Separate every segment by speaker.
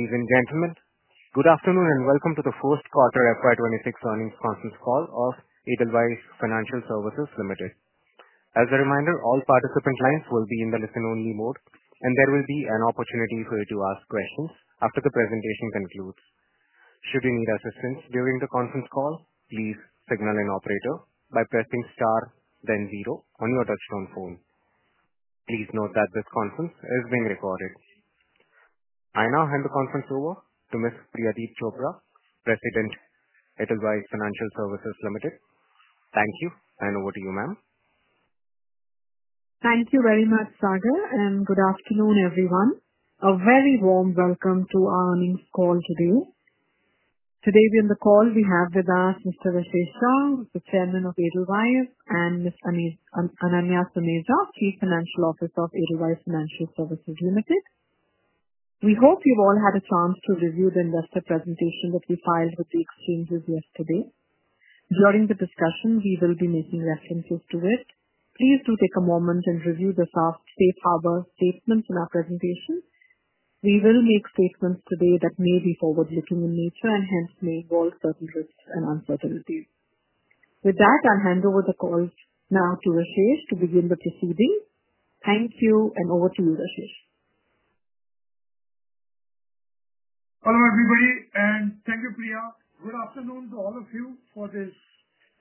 Speaker 1: Ladies and gentlemen, good afternoon and welcome to the First Quarter FY 2026 Earnings Conference Call of Edelweiss Financial Services Ltd. As a reminder, all participant lines will be in the listen-only mode, and there will be an opportunity for you to ask questions after the presentation concludes. Should you need assistance during the conference call, please signal an operator by pressing star, then zero on your touch-tone phone. Please note that this conference is being recorded. I now hand the conference over to Ms. Priyadeep Chopra, President of Edelweiss Financial Services Ltd. Thank you, and over to you, ma'am.
Speaker 2: Thank you very much, Sagar, and good afternoon, everyone. A very warm welcome to our earnings call today. Today we're on the call, we have with us Mr. Rashesh Shah, the Chairman of Edelweiss, and Ms. Ananya Suneja, Chief Financial Officer of Edelweiss Financial Services Ltd. We hope you've all had a chance to review the investor presentation that we filed with the exchanges yesterday. During the discussion, we will be making references to this. Please do take a moment and review the safe harbor statements in our presentation. We will make statements today that may be forward-looking in nature and hence may involve certain risks and uncertainties. With that, I'll hand over the call now to Rashesh to begin the proceeding. Thank you, and over to you, Rashesh.
Speaker 3: Hello, everybody, and thank you, Priya. Good afternoon to all of you for this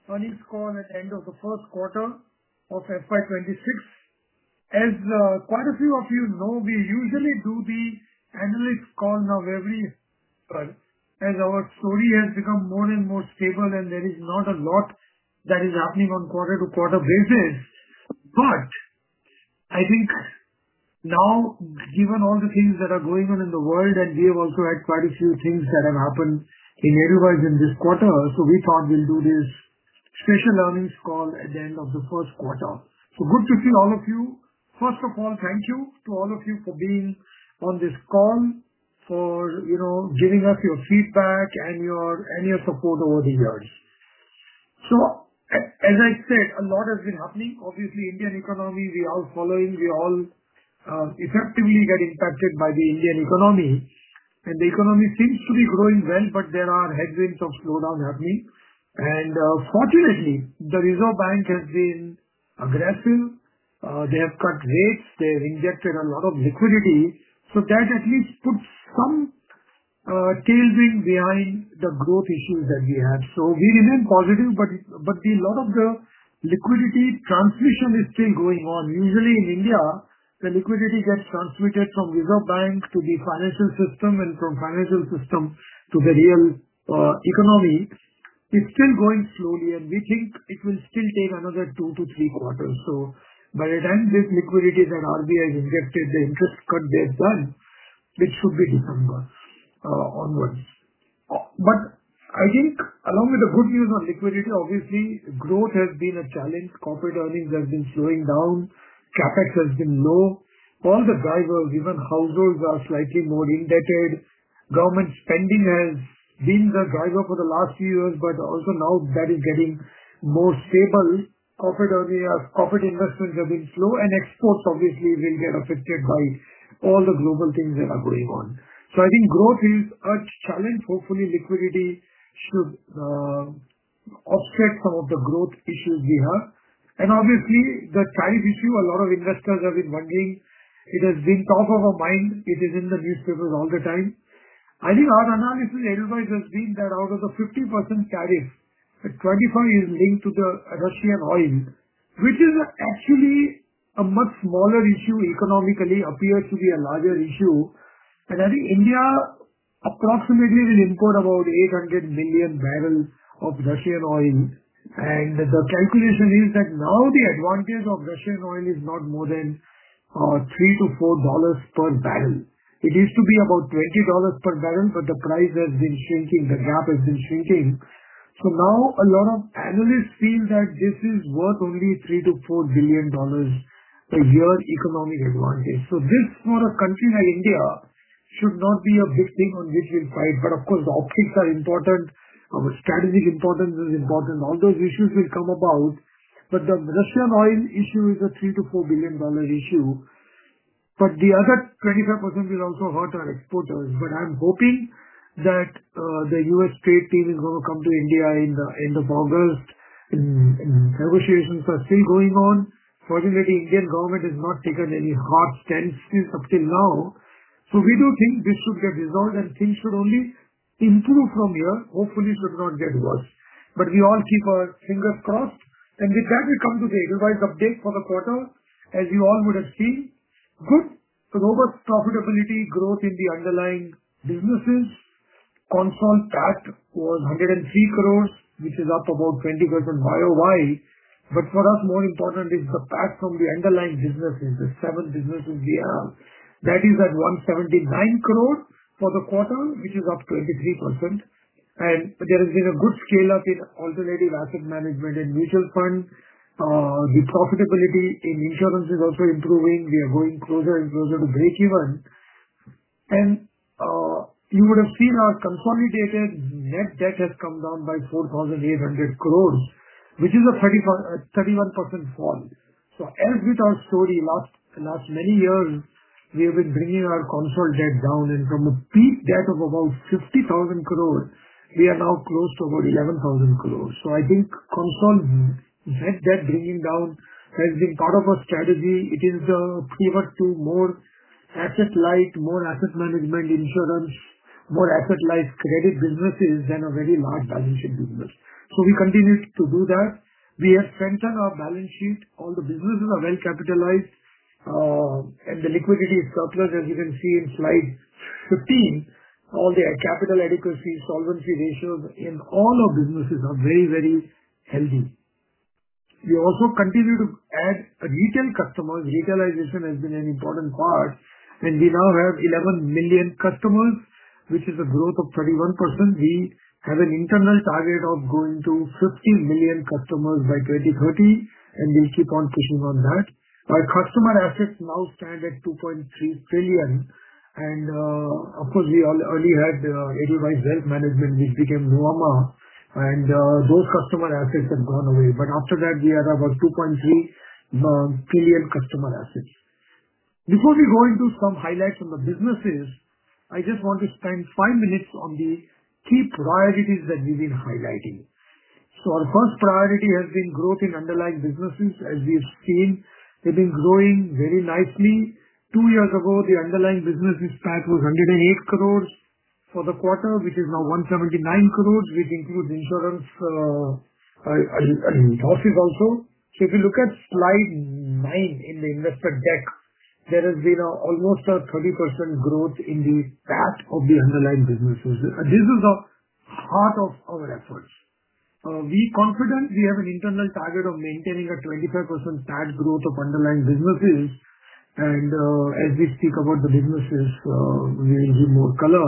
Speaker 3: earnings call at the end of the first quarter of FY 2026. As quite a few of you know, we usually do the analyst call now every quarter as our story has become more and more stable, and there is not a lot that is happening on a quarter-to-quarter basis. I think now, given all the things that are going on in the world, and we have also had quite a few things that have happened in Edelweiss in this quarter, we thought we'll do this special earnings call at the end of the first quarter. Good to see all of you. First of all, thank you to all of you for being on this call, for giving us your feedback and your support over the years. As I said, a lot has been happening. Obviously, the Indian economy, we are all following, we all effectively get impacted by the Indian economy. The economy seems to be growing well, but there are hesitance of slowdown happening. Fortunately, the Reserve Bank has been aggressive. They have cut rates. They have injected a lot of liquidity. That at least puts some tailwind behind the growth issues that we have. We remain positive, but a lot of the liquidity transmission is still going on. Usually, in India, the liquidity gets transmitted from the Reserve Bank to the financial system and from the financial system to the real economy. It's still going slowly, and we think it will still take another two to three quarters. By the time this liquidity that RBI has injected cuts is done, which should be December onwards. I think along with the good news on liquidity, obviously, growth has been a challenge. Corporate earnings have been slowing down. CapEx has been low. One of the drivers, given households are slightly more indebted, government spending has been the driver for the last few years, but also now that is getting more stable. Corporate earnings, corporate investments have been slow, and exports, obviously, have been affected by all the global things that are going on. I think growth is a challenge. Hopefully, liquidity will offset some of the growth issues we have. Obviously, the tariff issue, a lot of investors have been wondering. It has been top of our mind. It is in the newspapers all the time. I think our analysis at Edelweiss has been that out of the 50% tariff, 25% is linked to the Russian oil, which is actually a much smaller issue. Economically, it appears to be a larger issue. I think India approximately will import about 800 million bbl of Russian oil. The calculation is that now the advantage of Russian oil is not more than $3-$4 per barrel. It used to be about $20 per barrel, but the price has been shrinking. The gap has been shrinking. Now a lot of analysts feel that this is worth only $3 billion-$4 billion per year economic advantage. This for a country like India should not be a big thing on which we fight. Of course, the optics are important. Our strategic importance is important. All those issues will come about. The Russian oil issue is a $3 billion-$4 billion issue. The other 25% will also hurt our exporters. I'm hoping that the U.S. trade team is going to come to India in the end of August. Negotiations are still going on. Fortunately, the Indian government has not taken any hard stance up till now. We do think this should get resolved, and things should only improve from here. Hopefully, it does not get worse. We all keep our fingers crossed. With that, we come to the Edelweiss update for the quarter, as you all would have seen. Good, robust profitability, growth in the underlying businesses. The consol PAT was 103 crore, which is up about 20% YoY. For us, more important is the PAT from the underlying businesses, the seven businesses we have. That is at 179 crore for the quarter, which is up 23%. There has been a good scale-up in alternative asset management and mutual funds. The profitability in insurance is also improving. We are going closer and closer to breakeven. You would have seen our consolidated net debt has come down by 4,800 crore, which is a 31% fall. As with our story in the last many years, we have been bringing our consult debt down. From a peak debt of about 50,000 crore, we are now close to about 11,000 crore. I think consult debt bringing down has been part of our strategy. It is a pivot to more asset-led, more asset management insurance, more asset-led credit businesses than a very large balance sheet business. We continue to do that. We have strengthened our balance sheets. All the businesses are well capitalized. The liquidity is prosperous, as you can see in slide 15. All the capital adequacy, solvency ratios in all our businesses are very, very healthy. We also continue to add retail customers. Retail has been an important part. We now have 11 million customers, which is a growth of 31%. We have an internal target of going to 50 million customers by 2030, and we keep on pushing on that. Our customer assets now stand at 2.3 trillion. Of course, we all earlier had the Edelweiss Wealth Management, which became Nuvama, and those customer assets have gone away. After that, we have about 2.3 trillion customer assets. Before we go into some highlights on the businesses, I just want to spend five minutes on the key priorities that we've been highlighting. Our first priority has been growth in underlying businesses. As we've seen, they've been growing very nicely. Two years ago, the underlying businesses' PAT was 108 crore for the quarter, which is now 179 crore, which includes insurance and houses also. If you look at slide 9 in the investor deck, there has been almost a 30% growth in the PAT of the underlying businesses. This is the heart of our efforts. We are confident we have an internal target of maintaining a 25% PAT growth of underlying businesses. As we speak about the businesses, we'll see more color.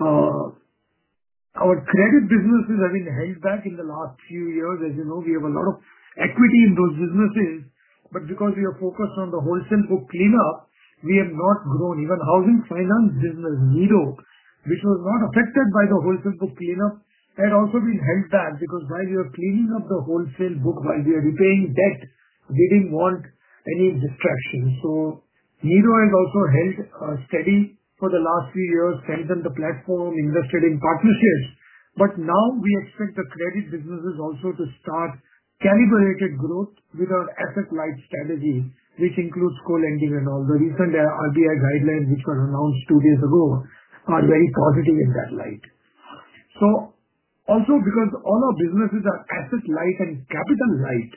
Speaker 3: Our credit businesses have been held back in the last few years. As you know, we have a lot of equity in those businesses. Because we are focused on the wholesale book cleanup, we have not grown. Even the housing finance business, Nido, which was not affected by the wholesale book cleanup, had also been held back because while we were cleaning up the wholesale book, while we were repaying debt, we didn't want any book fraction. Nido has also held steady for the last few years, strengthened the platform, invested in partnerships. Now we expect the credit businesses also to start calibrated growth with our asset-led strategy, which includes co-lending, and all the recent RBI guidelines, which were announced two days ago, are very positive in that light. Also, because all our businesses are asset-led and capital-led,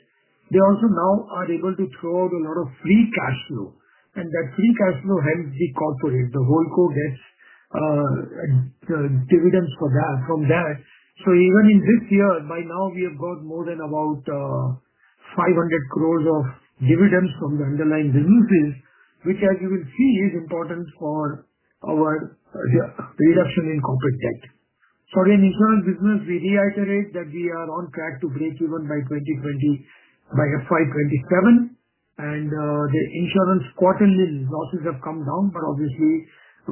Speaker 3: they also now are able to throw out a lot of free cash flow. That free cash flow helps the corporates. The whole corp gets dividends from that. Even in this year, by now, we have got more than about 500 crore of dividends from the underlying businesses, which, as you will see, is important for our reduction in corporate debt. For the insurance business, we reiterate that we are on track to break even by FY 2027. The insurance quarterly losses have come down. Obviously,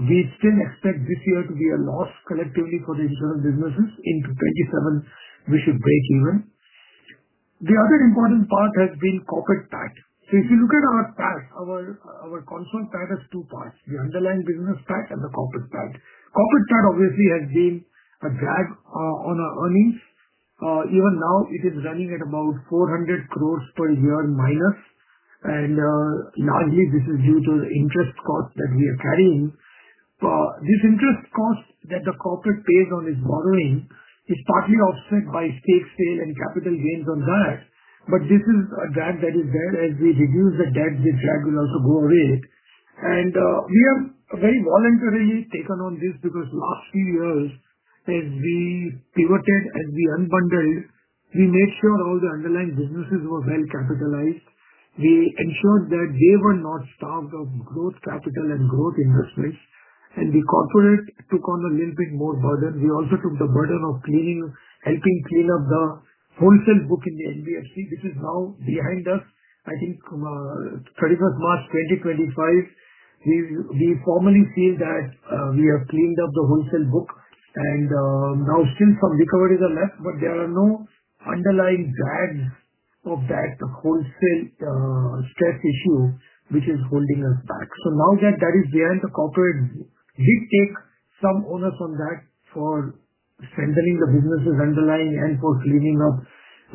Speaker 3: we still expect this year to be a loss collectively for the insurance businesses. In 2027, we should break even. The other important part has been corporate PAT. If you look at our PAT, our consol PAT has two parts: the underlying business PAT and the corporate PAT. Corporate PAT, obviously, has been a drag on our earnings. Even now, it is running at about -400 crore per year. Largely, this is due to the interest cost that we are carrying. This interest cost that the corporate pays on its borrowing is partially offset by stake sale and capital gains on that. This is a drag that is there. As we reduce the debt, this drag will also go away. We have very voluntarily taken on this because the last few years, as we pivoted, as we unbundled, we made sure all the underlying businesses were well capitalized. We ensured that they were not starved of growth capital and growth investments. The corporates took on a little bit more burden. We also took the burden of helping clean up the wholesale book in the NBFC. This is now behind us. I think 31st of March, 2025, we formally feel that we have cleaned up the wholesale book. Still some recovery is a mess, but there are no underlying drags of that wholesale stress issue, which is holding us back. Now that that is behind the corporates, we take some onus on that for centering the businesses underlying and for cleaning up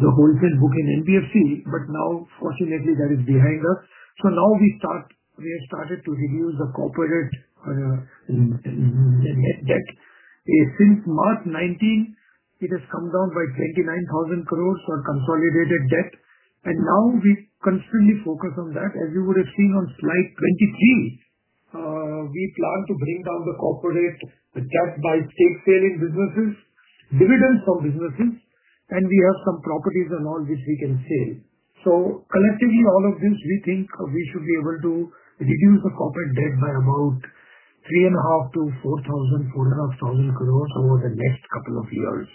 Speaker 3: the wholesale book in NBFC. Fortunately, that is behind us. We started to reduce the corporate net debt. Since March 2019, it has come down by 29,000 crore for consolidated debt. We constantly focus on that. As you would have seen on slide 23, we plan to bring down the corporates just by stake-saling businesses, dividends from businesses, and we have some properties and all which we can sell. Collectively, all of this, we think we should be able to reduce the corporate debt by about 3,500-4,000, 4,500 crore over the next couple of years.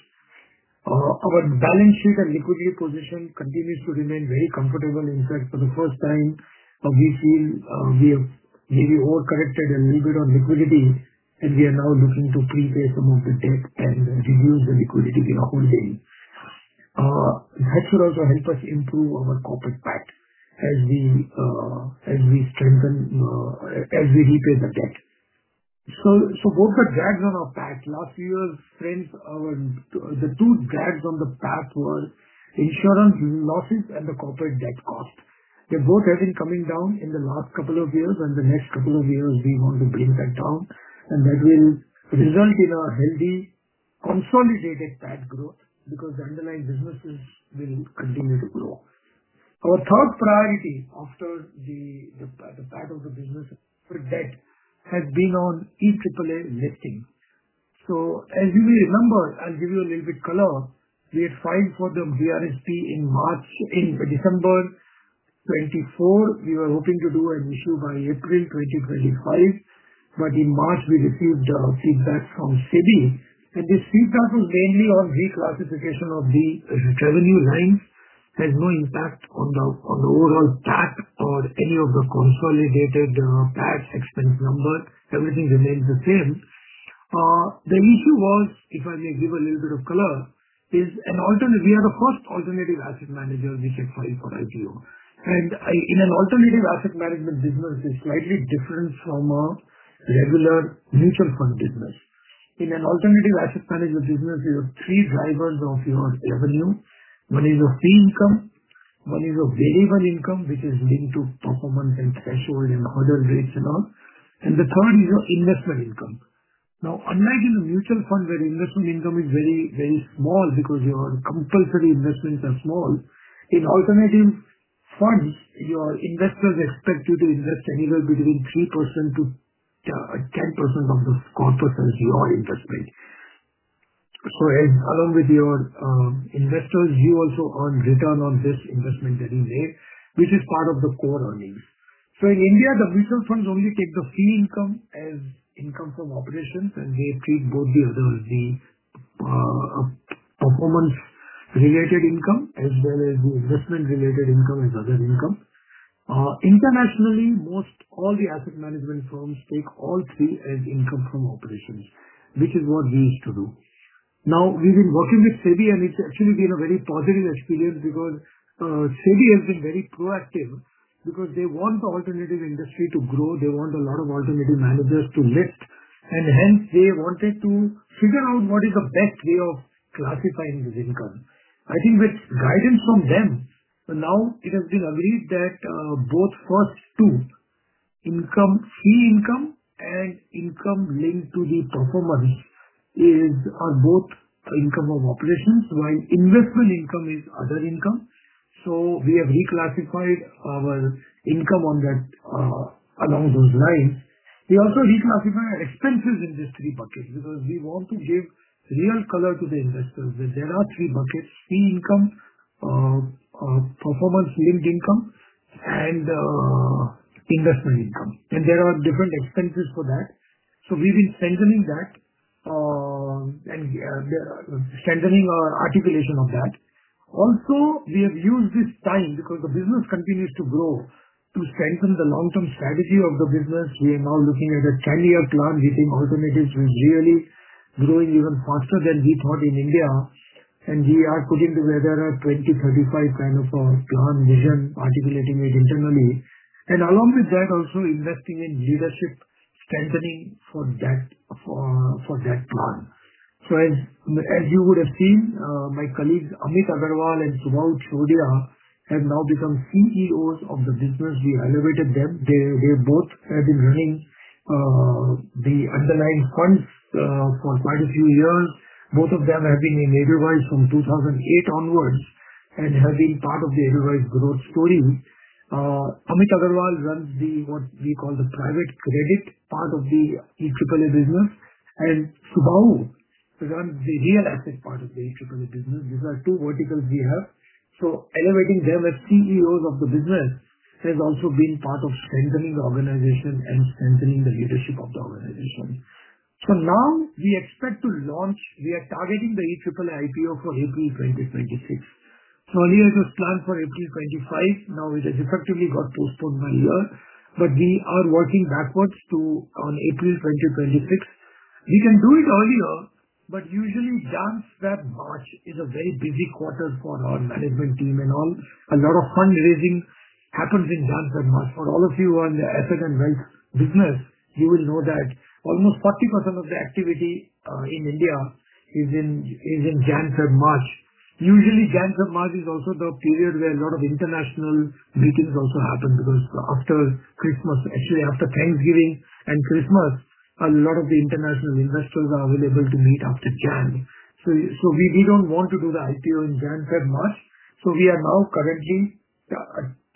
Speaker 3: Our balance sheet and equity position continues to remain very comfortable. In fact, for the first time, we feel we have maybe overcorrected a little bit on liquidity, and we are now looking to replace some of the debt and reduce the liquidity we are holding. That should also help us improve our corporate tax as we repay the debt. Both the drags on our PAT last year's trends, the two drags on the PAT were insurance losses and the corporate debt cost. They both have been coming down in the last couple of years, and the next couple of years, we want to bring that down. That will result in our healthy consolidated tax growth because the underlying businesses will continue to grow. Our third priority after the PAT of the business debt has been on EAAA lifting. As you may remember, I'll give you a little bit of color. We had filed for the DRHP in March, in December 2024. We were hoping to do an issue by April 2025. In March, we received feedback from SEBI. This feedback was mainly on the classification of the revenue lines and has no impact on the overall PAT or any of the consolidated PAT expense numbers. Everything remains the same. The issue was, if I can give a little bit of color, as an alternative, we are the first alternative asset manager who can file for IPO. In an alternative asset management business, it's slightly different from a regular mutual fund business. In an alternative asset management business, you have three drivers of your revenue. One is your fee income. One is your variable income, which is linked to performance and threshold and other rates and all. The third is your investment income. Unlike in the mutual fund where investment income is very, very small because your compulsory investments are small, in alternative funds, your investors expect you to invest anywhere between 3%-10% of the corpus as you are investing. Along with your investors, you also earn return on this investment anyway, which is part of the core earnings. In India, the mutual funds only take the fee income as income from operations and they treat both the other performance-related income as well as the investment-related income as other income. Internationally, most all the asset management firms take all three as income from operations, which is what we used to do. We've been working with SEBI, and it's actually been a very positive experience because SEBI has been very proactive because they want the alternative industry to grow. They want a lot of alternative managers to lift. They wanted to figure out what is the best way of classifying this income. I think with guidance from them, now it has been agreed that both first two income, fee income and income linked to the performability, is on both income from operations, while investment income is other income. We have reclassified our income along those lines. We also reclassify our expenses in these three buckets because we want to give real color to the investors that there are three buckets: fee income, performance-linked income, and investment income. There are different expenses for that. We have been strengthening that, and strengthening our articulation of that. We have used this time because the business continues to grow to strengthen the long-term strategy of the business. We are now looking at a 10-year plan, hitting alternatives and really growing even faster than we thought in India. We are putting together a 2035 kind of a plan vision, articulating it internally. Along with that, also investing in leadership strengthening for that plan. As you would have seen, my colleagues, Amit Agarwal and Subahoo Chordia, have now become CEOs of the business. We elevated them. They both have been running the underlying funds for quite a few years. Both of them have been in Edelweiss from 2008 onwards and have been part of the Edelweiss growth story. Amit Agarwal runs what we call the private credit part of the EAAA business, and Subahoo runs the real assets part of the EAAA business. These are two verticals we have. Elevating them as CEOs of the business has also been part of strengthening the organization and strengthening the leadership of the organization. We expect to launch, we are targeting the EAAA IPO for April 2026. Earlier, it was planned for April 2025. Now it has effectively got postponed by a year. We are working backwards to April 2026. We can do it earlier, but usually, January, February, March is a very busy quarter for our management team and all. A lot of fundraising happens in Jan-Feb-Mar. For all of you who are in the asset and wealth business, you will know that almost 40% of the activity in India is in Jan-Feb-Mar. Usually, Jan-Feb-Mar is also the period where a lot of international meetings also happen because after Christmas, actually, after Thanksgiving and Christmas, a lot of the international investors are available to meet after January. We do not want to do the IPO in January to March. We are now currently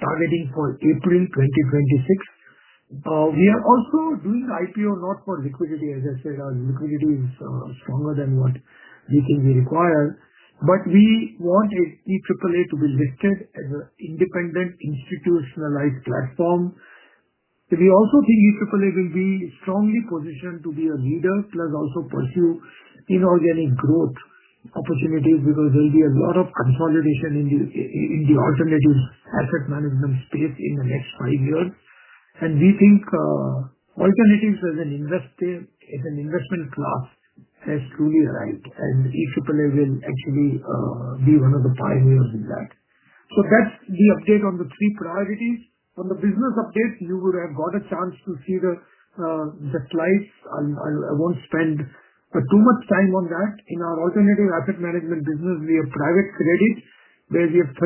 Speaker 3: targeting for April 2026. We are also doing the IPO not for liquidity. As I said, our liquidity is stronger than what we think we require. We want EAAA to be listed as an independent institutionalized platform. We also think EAA will be strongly positioned to be a leader, plus also pursue inorganic growth opportunity because there will be a lot of consolidation in the alternative asset management space in the next five years. We think alternatives as an investment class have truly arrived, and EAAA will actually be one of the pioneers in that. That's the update on the three priorities. On the business updates, you would have got a chance to see the slides. I won't spend too much time on that. In our alternative asset management business, we have private credit. There's 38,000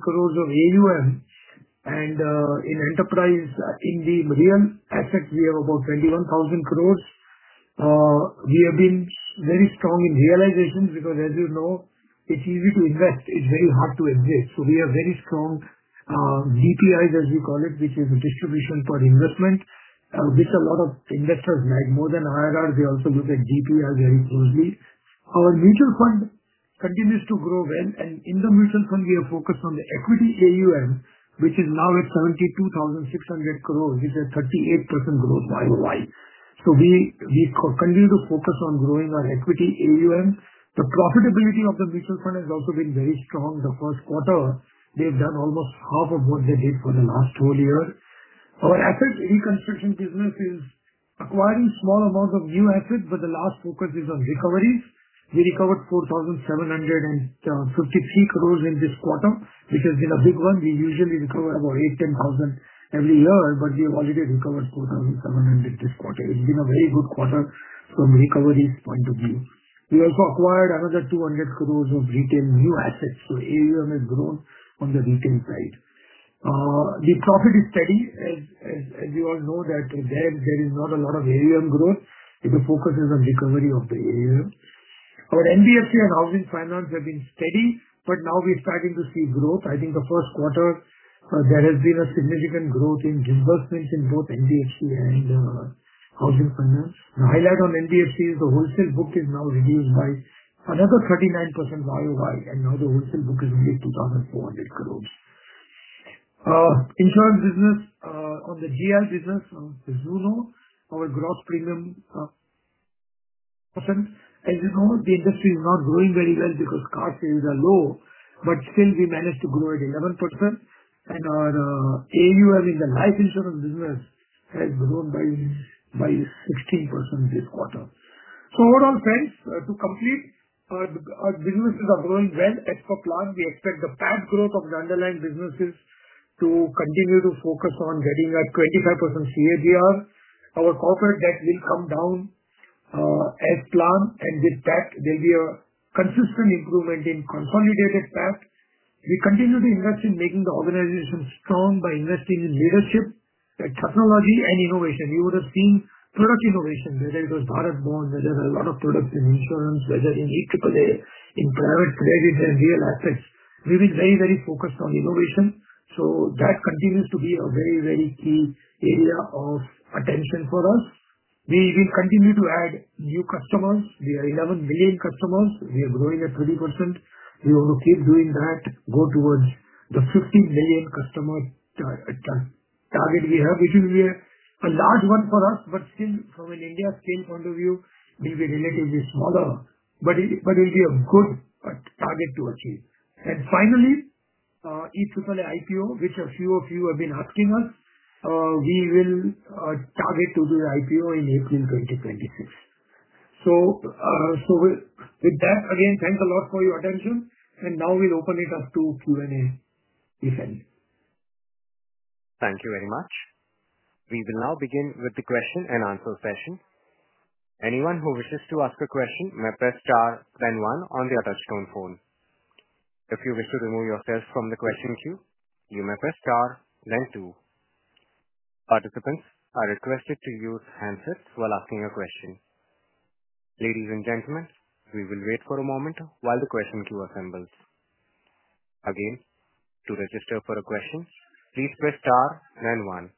Speaker 3: crores of AUM, and in enterprise, in the real assets, we have about 21,000 crores. We have been very strong in realizations because, as you know, it's easy to invest. It's very hard to exit. We have very strong DPIs, as you call it, which is a distribution per investment, which a lot of investors like more than IRR. They also look at DPIs very closely. Our mutual fund continues to grow well, and in the mutual fund, we are focused on the equity AUM, which is now at 72,600 crores. It's a 38% growth by AUM. We continue to focus on growing our equity AUM. The profitability of the mutual fund has also been very strong. The first quarter, they've done almost half of what they did for the last four years. Our asset reconstruction company business is acquiring small amounts of new assets, but the last focus is on recoveries. We recovered 4,753 crores in this quarter, which has been a big one. We usually recover about 8,000-10,000 every year, but we've already recovered 4,700 this quarter. It's been a very good quarter from a recovery's point of view. We also acquired another 200 crores of retail new assets, so AUM has grown on the retail side. The profit is steady. As you all know, there is not a lot of AUM growth. The focus is on recovery of the AUM. Our NBFC and housing finance have been steady, but now we're starting to see growth. I think the first quarter, there has been a significant growth in reimbursements in both NBFC and housing finance. The highlight on NBFC is the wholesale book is now reduced by another 39% YoY, and now the wholesale book is only 2,400 crores. Insurance business, on the GI business, Zuno, our growth is pretty decent. The industry is not growing very well because car sales are low, but still, we managed to grow at 11%. Our AUM in the life insurance business has grown by 16% this quarter. Overall, friends, to complete, our businesses are growing well as per plan. We expect the PAT growth of the underlying businesses to continue to focus on getting that 25% CAGR. Our corporate debt will come down as planned, and with that, there'll be a consistent improvement in consolidated net debt. We continue to invest in making the organization strong by investing in leadership, technology, and innovation. You would have seen product innovation, whether it was direct bonds, whether a lot of products in insurance, whether in EAA, in private credit, and real assets. We've been very, very focused on innovation. That continues to be a very, very key area of attention for us. We will continue to add new customers. We are 11 million customers. We are growing at 20%. We want to keep doing that, go towards the 15 million customer target we have, which is a large one for us, but still, from an India scale point of view, it will be relatively smaller. It will be a good target to achieve. Finally, EAAA IPO, which a few of you have been asking us, we will target to do the IPO in April 2026. Again, thank you a lot for your attention. Now we'll open it up to Q&A, if any.
Speaker 1: Thank you very much. We will now begin with the question and answer session. Anyone who wishes to ask a question may press star then one on the touchstone phone. If you wish to remove yourself from the question queue, you may press star then two. Participants are requested to use handsets while asking a question. Ladies and gentlemen, we will wait for a moment while the question queue assembles. Again, to register for a question, please press star then one.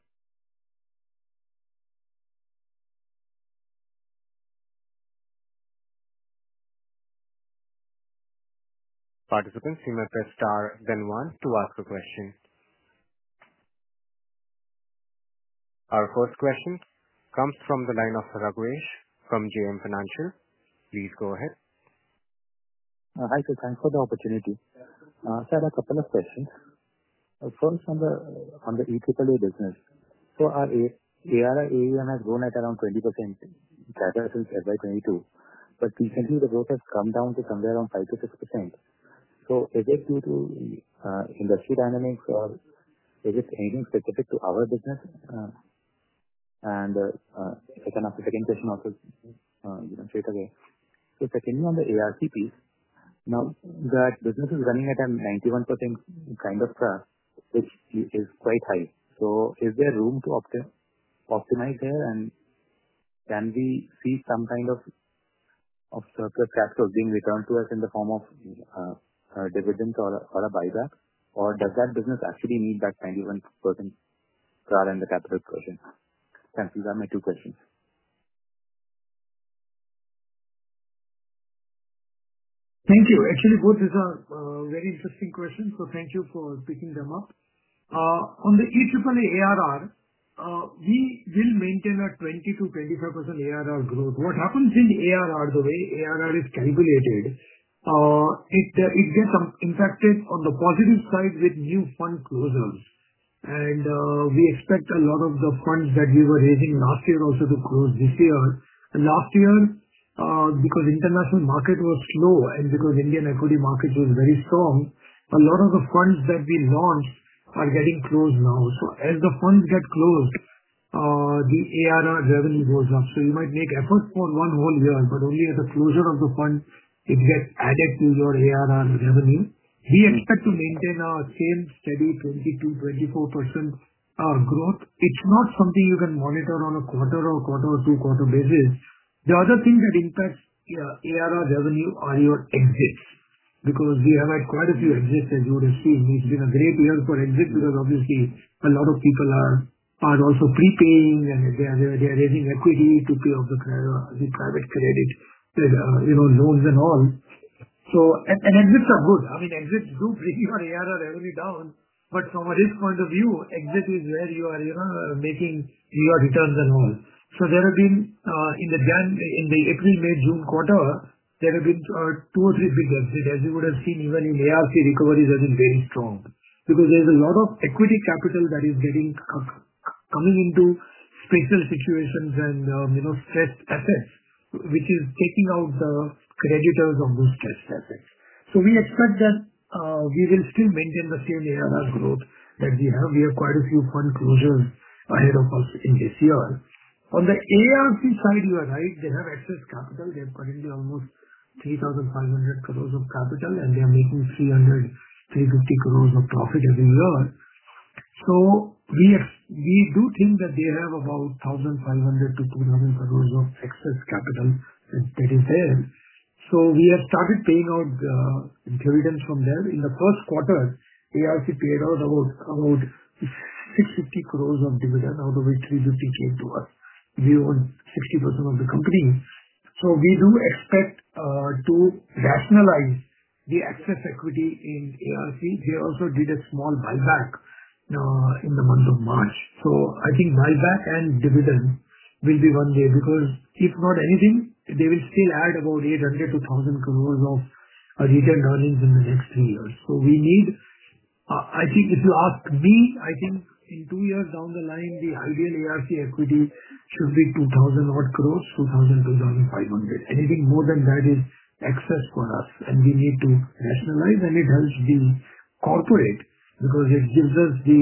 Speaker 1: Participants may press star then one to ask a question. Our first question comes from the line of Raghvesh from JM Financial. Please go ahead. Hi, sir. Thanks for the opportunity. I have a couple of questions. First, on the EAAA business, our ARR and AUM has grown at around 20% CAGR since FY 2022. Recently, the growth has come down to somewhere around 5%-6%. Is it due to the industry dynamics, or is it anything specific to our business? If I can ask a second question after, you can say it again. If I continue on the ARC piece, now that business is running at a 91% kind of cash, which is quite high. Is there room to optimize there, and can we see some kind of circular tax being returned to us in the form of a dividend or a buyback? Or does that business actually need that 91% cash and the capital? Thank you. That's my two questions. Thank you.
Speaker 3: Actually, both these are very interesting questions, so thank you for picking them up. On the EAAA ARR, we will maintain a 20%-25% ARR growth. What happens in ARR, the way ARR is calculated, it gets impacted on the positive side with new fund closures. We expect a lot of the funds that we were raising last year also to close this year. Last year, because the international market was slow and because the Indian equity market was very strong, a lot of the funds that we launched are getting closed now. As the funds get closed, the ARR revenue goes up. You might make efforts for one whole year, but only at the closure of the fund, it gets added to your ARR revenue. We expect to maintain our same steady 20%-24% growth. It's not something you can monitor on a quarter or quarter or two-quarter basis. The other thing that impacts ARR revenue are your exits because we have had quite a few exits. As you would have seen, it's been a great year for exits because, obviously, a lot of people are also prepaying, and they are raising equity to pay off the private credit loans and all. An exit is good. Exits do bring your ARR revenue down. From a risk point of view, exit is where you are making your returns and all. In the April, May, June quarter, there have been two or three big exits. As you would have seen, even in ARC, recovery has been very strong because there's a lot of equity capital that is coming into special situations and stressed assets, which is taking out the creditors on those stressed assets. We expect that we will still maintain the same ARR growth that we have. We have quite a few fund closures ahead of us in this year. On the asset reconstruction company (ARC) side, you are right. They have excess capital. They have currently almost 3,500 crore of capital, and they are making 300-350 crore of profit every year. We do think that they have about 1,500-2,000 crore of excess capital that is there. We have started paying out the dividends from there. In the first quarter, ARC paid out about 650 crore of dividend, out of which 350 crore came to us. We own 60% of the company. We do expect to rationalize the excess equity in ARC. They also did a small buyback in the month of March. I think buyback and dividend will be one way because if not anything, they will still add about 800-1,000 crore of retail earnings in the next three years. We need, I think if you ask me, I think in two years down the line, the ideal ARC equity should be 2,000 crore, 2,000-2,500 crore. Anything more than that is excess for us. We need to rationalize, and it helps the corporate because it gives us the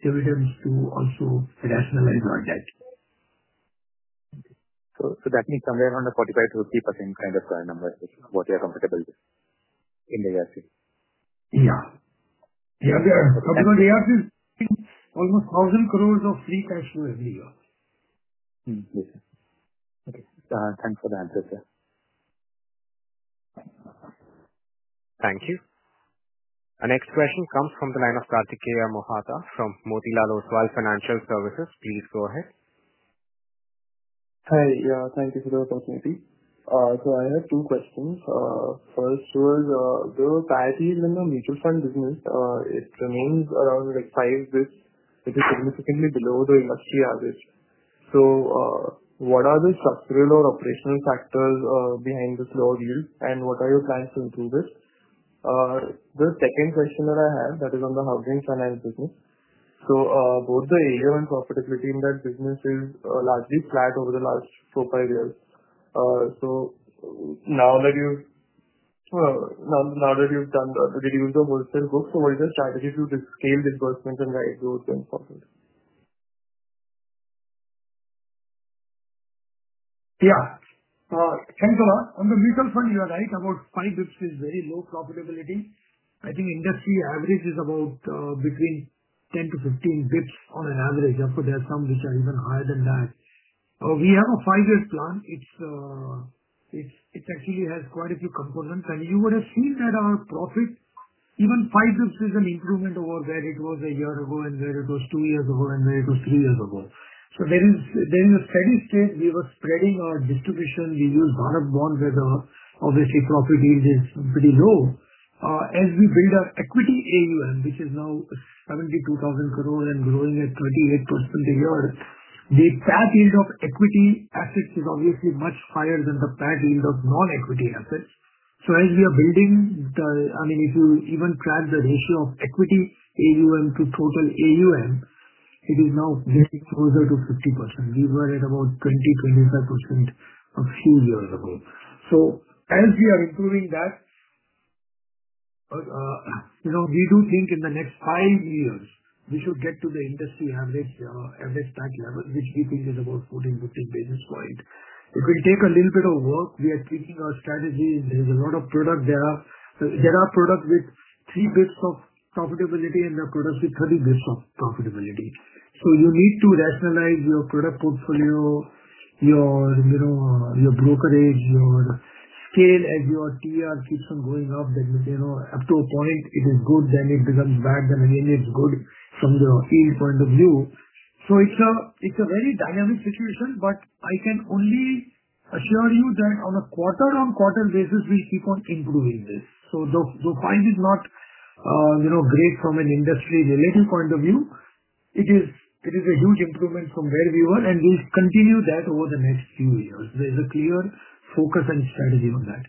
Speaker 3: dividends to also rationalize our debt. That means somewhere around a 45%-50% kind of number is what you are comfortable with in ARC. Yeah. The other thing about ARC is almost 1,000 crore of free cash flow every year. Thanks for the answer, sir.
Speaker 1: Thank you. Our next question comes from the line of Kartikeya Mohata from Motilal Oswal Financial Services. Please go ahead.
Speaker 4: Hi. Yeah, thank you for the opportunity. I have two questions. First, your client is in the mutual fund business. It remains around like 5 basis points. It is significantly below the industry average. What are the structural or operational factors behind this low yield, and what are your plans to improve this? The second question that I have is on the housing finance business. Both the AUM and profitability in that business are largely flat over the last four or five years. Now that you've reduced the wholesale book, what is your strategy to scale the investments and drive growth?
Speaker 3: Yeah, thank you. On the mutual fund, you're right. About 5 basis points is very low profitability. I think industry average is about between 10-15 basis points on average. Of course, there are some which are even higher than that. We have a five-year plan. It actually has quite a few components. You would have seen that our profit, even 5 basis points, is an improvement over where it was a year ago and where it was two years ago and where it was three years ago. There is a steady state. We were spreading our distribution. We use a lot of bonds where the, obviously, profit yield is pretty low. As we build our equity AUM, which is now 72,000 crore and growing at 28% a year, the PAT yield of equity assets is obviously much higher than the PAT yield of non-equity assets. As we are building the, I mean, if you even track the ratio of equity AUM to total AUM, it is now very close to 50%. We were at about 20% to 25% a few years ago. As we are improving that, you know, we do think in the next five years, we should get to the industry average PAT level, which reaches about 14-15 basis points. It will take a little bit of work. We are tweaking our strategy. There are a lot of products there. There are products with 3 basis points of profitability and there are products with 30 basis points of profitability. You need to rationalize your product portfolio, your brokerage, your scale. As your TER keeps on going up, then up to a point, it is good. Then it becomes bad. Then again, it's good from the fee point of view. It's a very dynamic situation, but I can only assure you that on a quarter-on-quarter basis, we keep on improving this. The fight is not great from an industry-related point of view. It is a huge improvement from where we were, and we'll continue that over the next few years. There's a clear focus and strategy on that.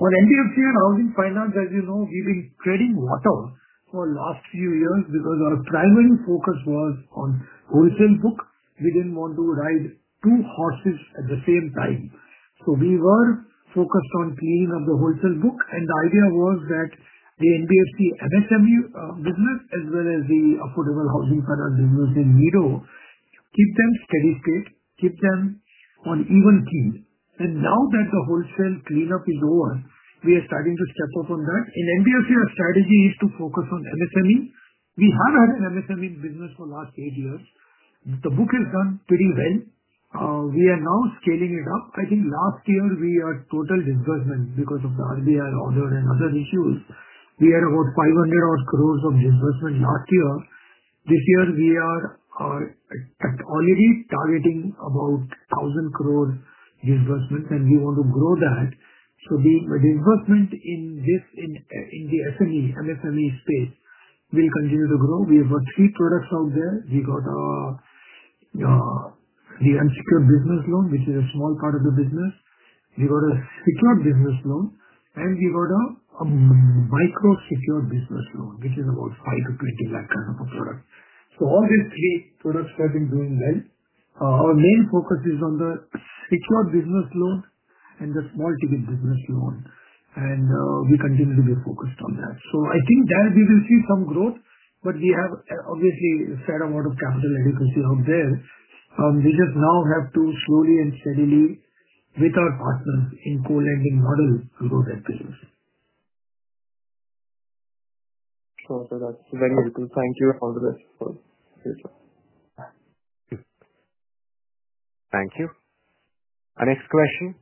Speaker 3: On NBFC and Housing Finance, as you know, we've been treading water for the last few years because our primary focus was on the wholesale book. We didn't want to ride two horses at the same time. We were focused on cleaning up the wholesale book. The idea was that the NBFC MSME business, as well as the affordable housing finance business in Nido, keep them steady state, keep them on even keel. Now that the wholesale cleanup is over, we are starting to step up on that. In NBFC, our strategy is to focus on MSME. We have had an MSME business for the last eight years. The book has done pretty well. We are now scaling it up. I think last year, we had total disbursement because of the RBI order and other issues. We had about 500 crore of disbursement last year. This year, we are already targeting about 1,000 crore disbursement, and we want to grow that. The disbursement in the SME and MSME space will continue to grow. We have got three products out there. We have a GM Secure Business Loan, which is a small part of the business. We have a Secure Business Loan, and we have a Micro Secure Business Loan, which is about 5 lakh to 20 lakh of a product. All these three products have been doing well. Our main focus is on the Secure Business Loan and the Small Ticket Business Loan. We continue to be focused on that. I think that we will see some growth, but we have obviously a fair amount of capital allocation out there. We just now have to slowly and steadily, with our partners in Poland, model to grow that business.
Speaker 4: Okay. That's very good. Thank you.
Speaker 1: Thank you. Our next question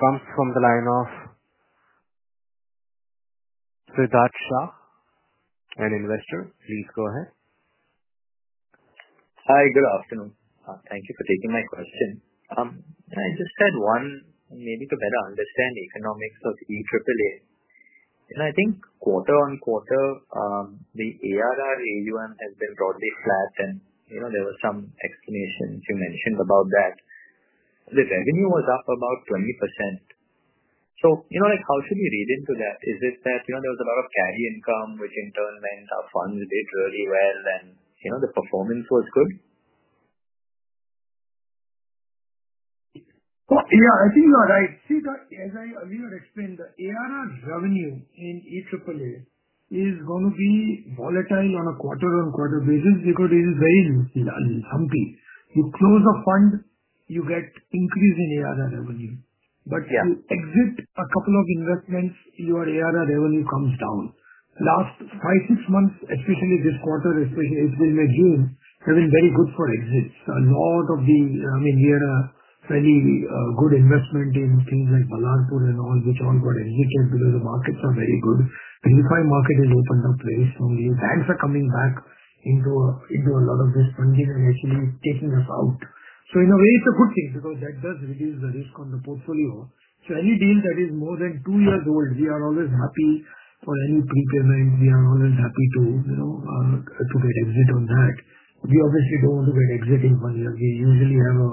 Speaker 1: comes from the line of Siddharth Shah, an investor. Please go ahead.
Speaker 5: Hi. Good afternoon. Thank you for taking my question. I just had one, maybe to better understand the economics of EAAA. I think quarter-on-quarter, the ARR AUM has been broadly flat. You mentioned some explanations about that. The revenue was up about 20%. How should we read into that? Is it that there was a lot of carry income, which in turn meant our funds did really well, and the performance was good?
Speaker 3: Yeah. I think that I see that, as I explained, the ARR revenue in EAAA is going to be volatile on a quarter-on-quarter basis because it is very lumpy. You close a fund, you get increase in ARR revenue. If you exit a couple of investments, your ARR revenue comes down. Last five, six months, especially this quarter, especially it's been in June, has been very good for exits. A lot of the, I mean, we had a fairly good investment in things like Balarpur and all, which all got exited because the markets are very good. The unified market has opened up place. These banks are coming back into a lot of this funding and actually taking us out. In a way, it's a good thing because that does reduce the risk on the portfolio. Any deal that is more than two years old, we are always happy for any prepayment. We are always happy to, you know, to get exit on that. We obviously don't want to get exited in one year. We usually have a,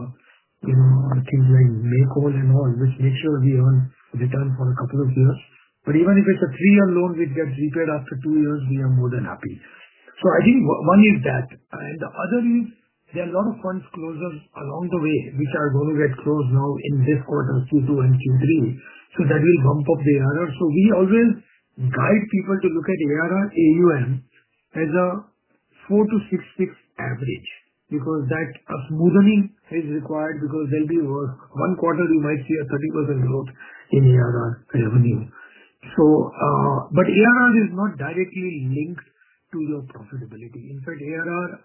Speaker 3: you know, things like and all, which make sure we earn return for a couple of years. Even if it's a three-year loan which gets repaid after two years, we are more than happy. I think one is that. The other is there are a lot of funds closures along the way which are going to get closed now in this quarter, Q2 and Q3. That will bump up the ARR. We always guide people to look at ARR AUM as a 4-6 weeks average because that smoothening is required because there'll be one quarter, you might see a 30% growth in ARR revenue. ARR is not directly linked to your profitability. In fact, ARR,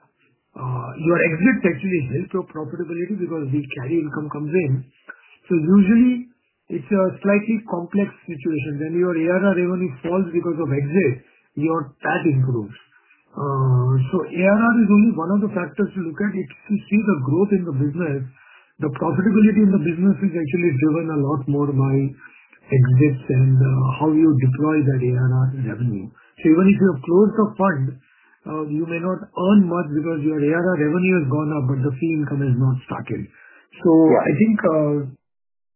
Speaker 3: your exits actually help your profitability because the carry income comes in. Usually, it's a slightly complex situation. Then your ARR revenue falls because of exits. Your tax improves. ARR is only one of the factors you look at. It's to see the growth in the business. The profitability in the business is actually driven a lot more by exits and how you deploy that ARR revenue. Even if you have closed a fund, you may not earn much because your ARR revenue has gone up, but the fee income is not started. I think,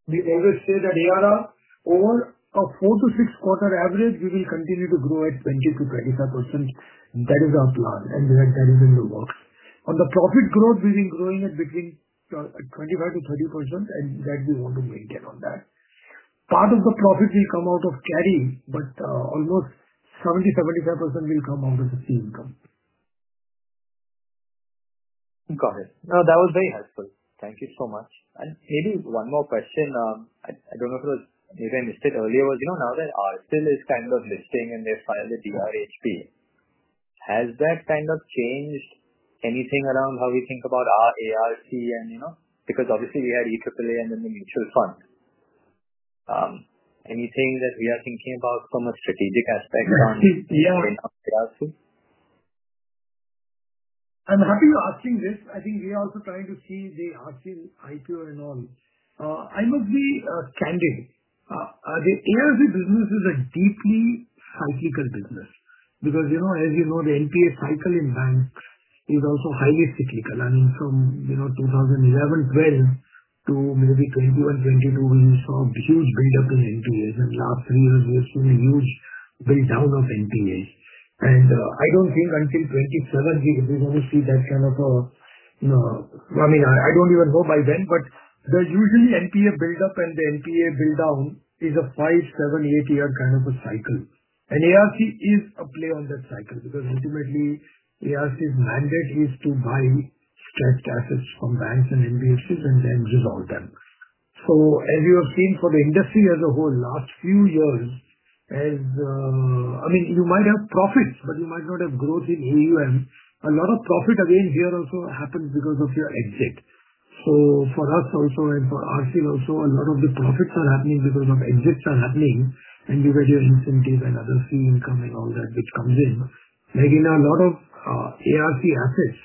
Speaker 3: we always say that ARR over a 4-6 quarter average, we will continue to grow at 20%-25%. That is our plan. That is in the works. On the profit growth, we've been growing at between 25%-30%, and that we want to maintain on that. Part of the profit will come out of carrying, but almost 70%, 75% will come out of the fee income.
Speaker 5: Got it. That was very helpful. Thank you so much. Maybe one more question. I don't know if I missed it earlier. Now that RBI is kind of listing and they've filed the DRHP, has that changed anything around how we think about our asset reconstruction company? Obviously, we had EAAA and then the mutual fund. Is there anything that we are thinking about from a strategic aspect around EAAA or the asset reconstruction company?
Speaker 3: I'm happy you're asking this. I think we are also trying to see the ARC IPO and all. I will be candid. The ARC business is a deeply cyclical business because, you know, as you know, the NPA cycle in banks is also highly cyclical. I mean, from 2011, 2012 to maybe 2021-2022, we saw a big buildup in NPAs. In the last three years, there's been a huge build down of NPAs. I don't think until 2027, we will see that kind of a, you know, I don't even know by then, but there's usually NPA buildup and the NPA buildup is a five, seven, eight-year kind of a cycle. ARC is a player on that cycle because ultimately, ARC's mandate is to buy best assets from banks and NBFCs and then dissolve them. As you have seen for the industry as a whole, in the last few years, you might have profits, but you might not have growth in AUM. A lot of profit gains here also happen because of your exit. For us also, and for RCL also, a lot of the profits are happening because of exits. You get your incentives and other fees and all that which comes in. A lot of ARC assets,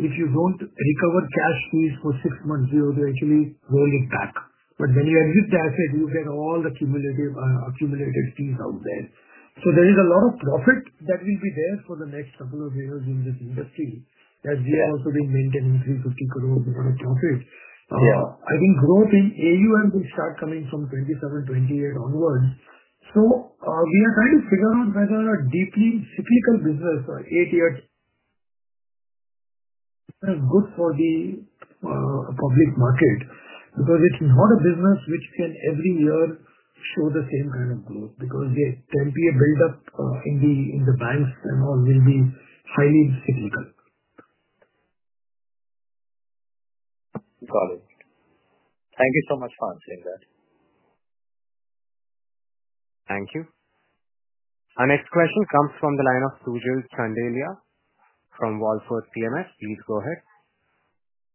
Speaker 3: if you don't recover cash fees for six months, you know, they're actually worth of that. When you have new cash, you get all the accumulated fees out there. There is a lot of profit that will be there for the next couple of years in this industry as we are also maintaining 350 crore of a profit. I think growth in AUM will start coming from 2027, 2028 onwards. We are trying to figure out whether a deeply cyclical business, eight years, is good for the public market because it's not a business which can every year show the same kind of growth because the NPA buildup in the banks will be highly cyclical.
Speaker 5: Got it. Thank you so much for answering that.
Speaker 1: Thank you. Our next question comes from the line of Sujal Chandelya from Wallfort PMS. Please go ahead.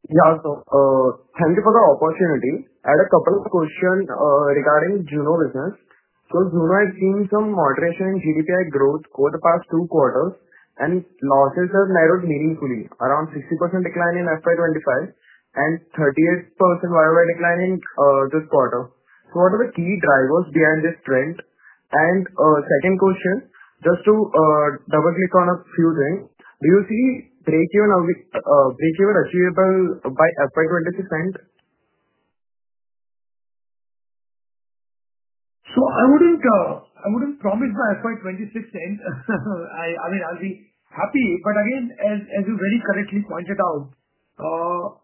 Speaker 6: Yeah. Thank you for the opportunity. I had a couple of questions regarding Juno business. Juno has seen some moderation in GDPI growth over the past two quarters, and losses have narrowed meaningfully, around 60% decline in FY 2025 and 38% YoY decline in this quarter. What are the key drivers behind this trend? Second question, just to double-check on a few things, do you see break-even achievable by FY 2026 end?
Speaker 3: I wouldn't promise by FY 2026 end. I mean, I'll be happy. As you very correctly pointed out,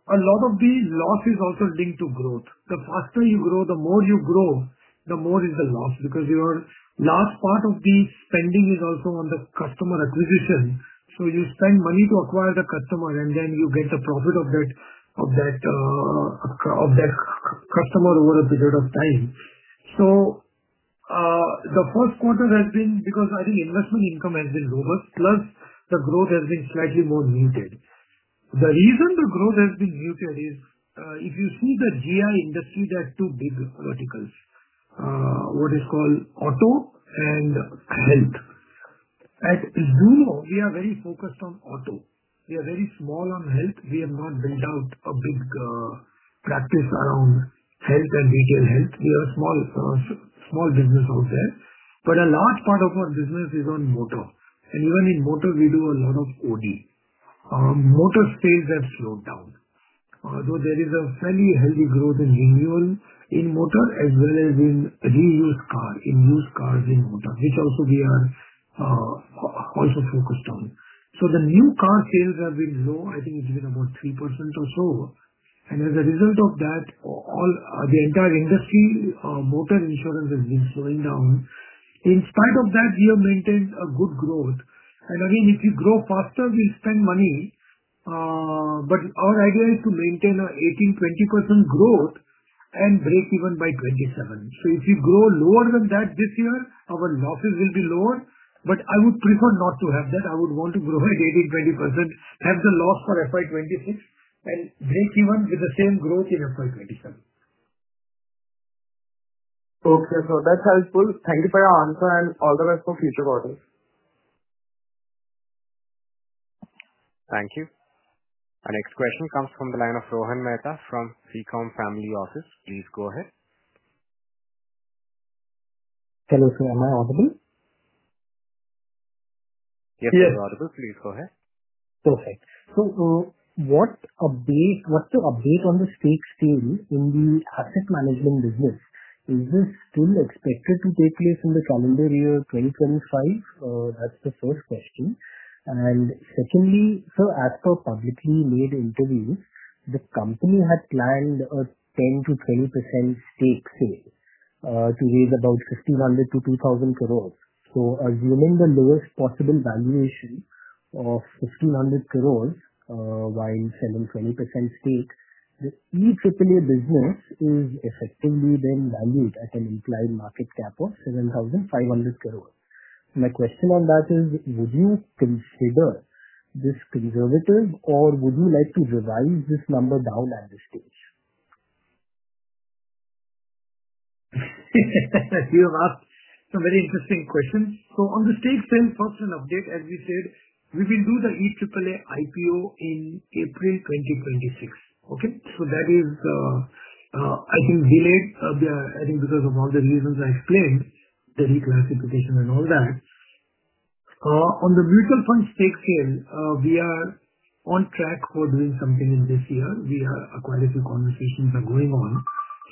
Speaker 3: a lot of the loss is also linked to growth. The faster you grow, the more you grow, the more is the loss because your last part of the spending is also on the customer acquisition. You spend money to acquire the customer, and then you get the profit of that customer over a period of time. The first quarter has been because I think investment income has been robust, plus the growth has been slightly more muted. The reason the growth has been muted is if you see the GI industry, there are two big verticals, what is called auto and health. At Zuno, we are very focused on auto. We are very small on health. We have not built out a big practice around health and retail health. We are a small business out there. A large part of our business is on motor. Even in motor, we do a lot of OD. Motor sales have slowed down. Although there is a fairly healthy growth in renewal in motor as well as in used cars in motor, which also we are also focused on. The new car sales have been low. I think it's been about 3% or so. As a result of that, the entire industry motor insurance has been slowing down. In spite of that, we have maintained a good growth. If we grow faster, we spend money. Our idea is to maintain an 18-20% growth and break even by 2027. If we grow lower than that this year, our losses will be lower. I would prefer not to have that. I would want to grow at 18-20%, have the loss for FY 2026, and break even with the same growth in FY 2027.
Speaker 6: Okay. That's helpful. Thank you for your answer and all the rest for future quarters.
Speaker 1: Thank you. Our next question comes from the line of Rohan Mehta from FICOM Family Office. Please go ahead.
Speaker 7: Hello, am I audible?
Speaker 1: Yes, you're audible. Please go ahead.
Speaker 7: Perfect. What's your update on the stake change in the asset management business? Is this still expected to take place in the calendar year 2025? That's the first question. Secondly, sir, after publicly made interviews, the company had planned a 10%-20% stake change to raise about 1,500-2,000 crore. Assuming the lowest possible valuation of 1,500 crore while shedding 20% stake, the EAA business is effectively then valued at an implied market cap of 7,500 crore. My question on that is, would you consider this conservative, or would you like to revise this number down at this stage?
Speaker 3: You have asked a very interesting question. On the stake change question update, as we said, we will do the EAAA IPO in April 2026. That is, I can delay it. I think because of all the reasons I explained, the reclassification and all that. On the mutual fund stake sale, we are on track for doing something in this year. We have quite a few conversations going on.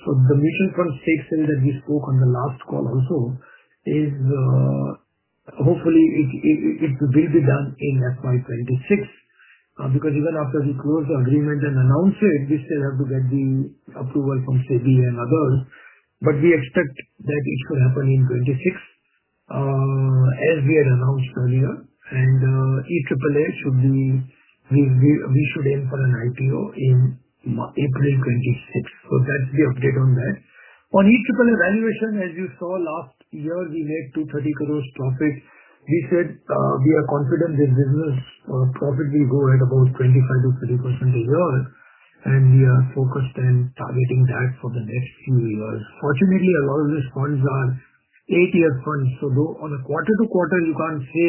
Speaker 3: The mutual fund stake sale that we spoke on the last call also is, hopefully, it will be done in FY 2026 because even after we close the agreement and announce it, we still have to get the approval from Sodi and others. We expect that it should happen in 2026, as we had announced earlier. EAAA should be, we should aim for an IPO in April 2026. That's the update on that. On EAAA valuation, as you saw last year, we made 230 crore profit. We said we are confident the business profit will grow at about 25%-30% a year. We are focused on targeting that for the next few years. Fortunately, a lot of these funds are eight-year funds. Though on a quarter-to-quarter, you can't say